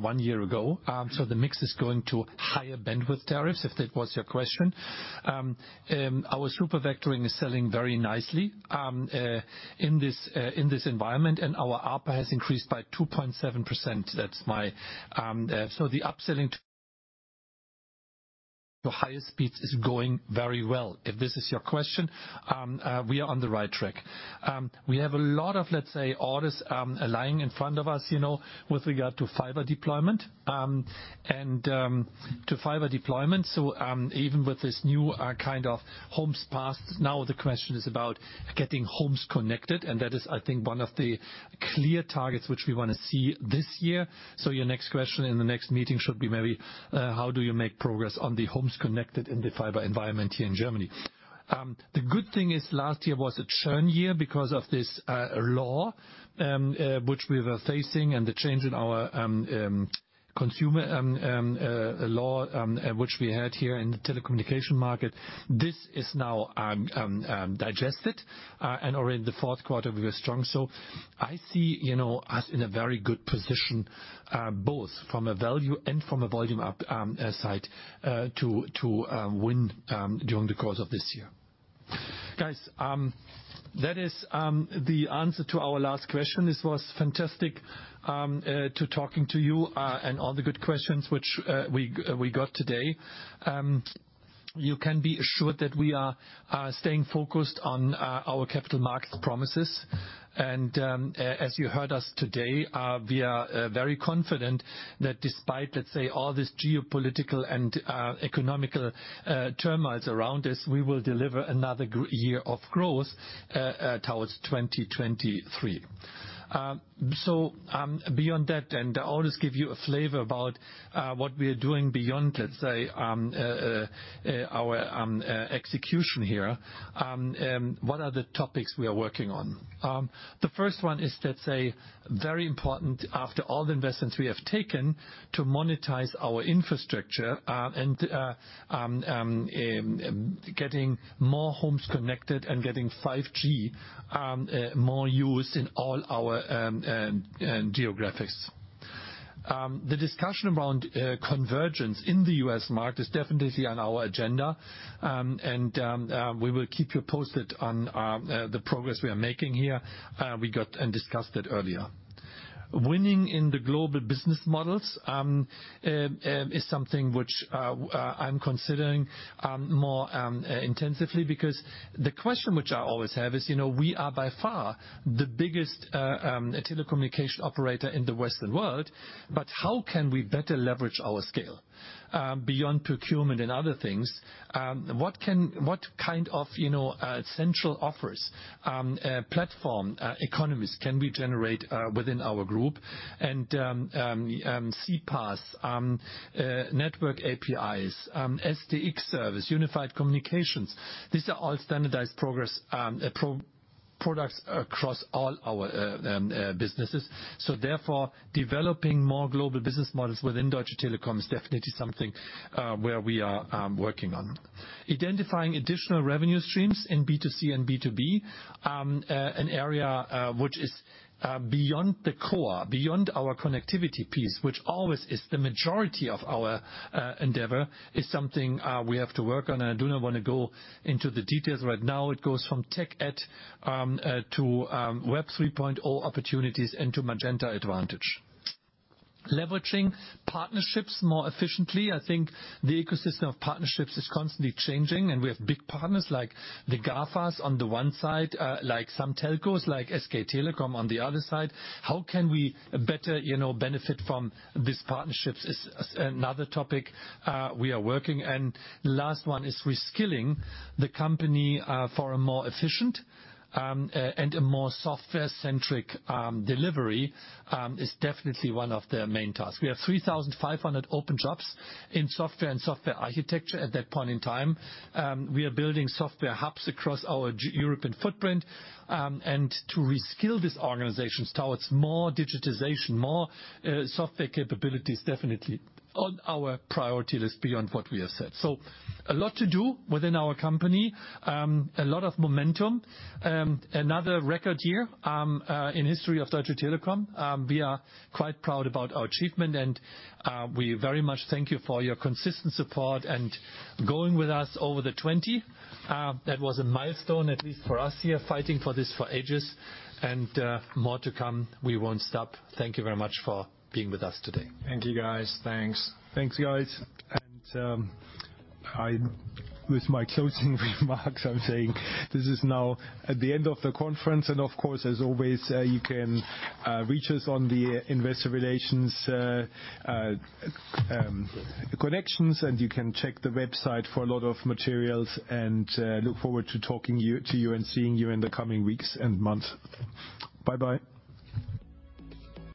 one year ago, so the mix is going to higher bandwidth tariffs, if that was your question. Our Super-Vectoring is selling very nicely in this environment, and our ARPA has increased by 2.7%. That's my. The upselling to higher speeds is going very well, if this is your question. We are on the right track. We have a lot of, let's say, orders, lying in front of us, you know, with regard to fiber deployment. To fiber deployment, so even with this new kind of homes passed, now the question is about getting homes connected. That is, I think, one of the clear targets which we wanna see this year. Your next question in the next meeting should be maybe, how do you make progress on the homes connected in the fiber environment here in Germany. The good thing is last year was a churn year because of this law which we were facing and the change in our consumer law which we had here in the telecommunication market. This is now digested, and already in the fourth quarter, we were strong. I see, you know, us in a very good position, both from a value and from a volume up side, to win during the course of this year. Guys, that is the answer to our last question. This was fantastic to talking to you and all the good questions which we got today. You can be assured that we are staying focused on our capital market promises. As you heard us today, we are very confident that despite, let's say, all this geopolitical and economical termites around us, we will deliver another year of growth towards 2023. Beyond that, I'll just give you a flavor about what we are doing beyond, let's say, our execution here, and what are the topics we are working on. The first one is, let's say, very important after all the investments we have taken to monetize our infrastructure, and getting more homes connected and getting 5G more used in all our geographics. The discussion around convergence in the U.S. market is definitely on our agenda. We will keep you posted on the progress we are making here. We got and discussed it earlier. Winning in the global business models is something which I'm considering more intensively. Because the question which I always have is, you know, we are by far the biggest telecommunications operator in the Western world. How can we better leverage our scale beyond procurement and other things? What kind of, you know, central offers, platform economies can we generate within our group? CPaaS, Network APIs, SDX service, unified communications, these are all standardized products across all our businesses. Therefore, developing more global business models within Deutsche Telekom is definitely something where we are working on. Identifying additional revenue streams in B2C and B2B, an area which is beyond the core, beyond our connectivity piece, which always is the majority of our endeavor, is something we have to work on. I do not wanna go into the details right now. It goes from tech ed to Web 3.0 opportunities and to Magenta Advantage. Leveraging partnerships more efficiently. I think the ecosystem of partnerships is constantly changing, we have big partners like the GAFAs on the one side, like some telcos, like SK Telecom on the other side. How can we better, you know, benefit from these partnerships is another topic, we are working. Last one is reskilling the company, for a more efficient, and a more software-centric, delivery, is definitely one of their main tasks. We have 3,500 open jobs in software and software architecture at that point in time. We are building software hubs across our G- Europe and footprint, and to reskill these organizations towards more digitization, more software capabilities, definitely on our priority list beyond what we have said. A lot to do within our company. A lot of momentum. Another record year in history of Deutsche Telekom. We are quite proud about our achievement, and we very much thank you for your consistent support and going with us over the 20. That was a milestone, at least for us here, fighting for this for ages. More to come. We won't stop. Thank you very much for being with us today. Thank you, guys. Thanks. Thanks, guys. I, with my closing remarks, I'm saying this is now at the end of the conference. Of course, as always, you can reach us on the investor relations connections, and you can check the website for a lot of materials and look forward to talking you, to you and seeing you in the coming weeks and months. Bye-bye.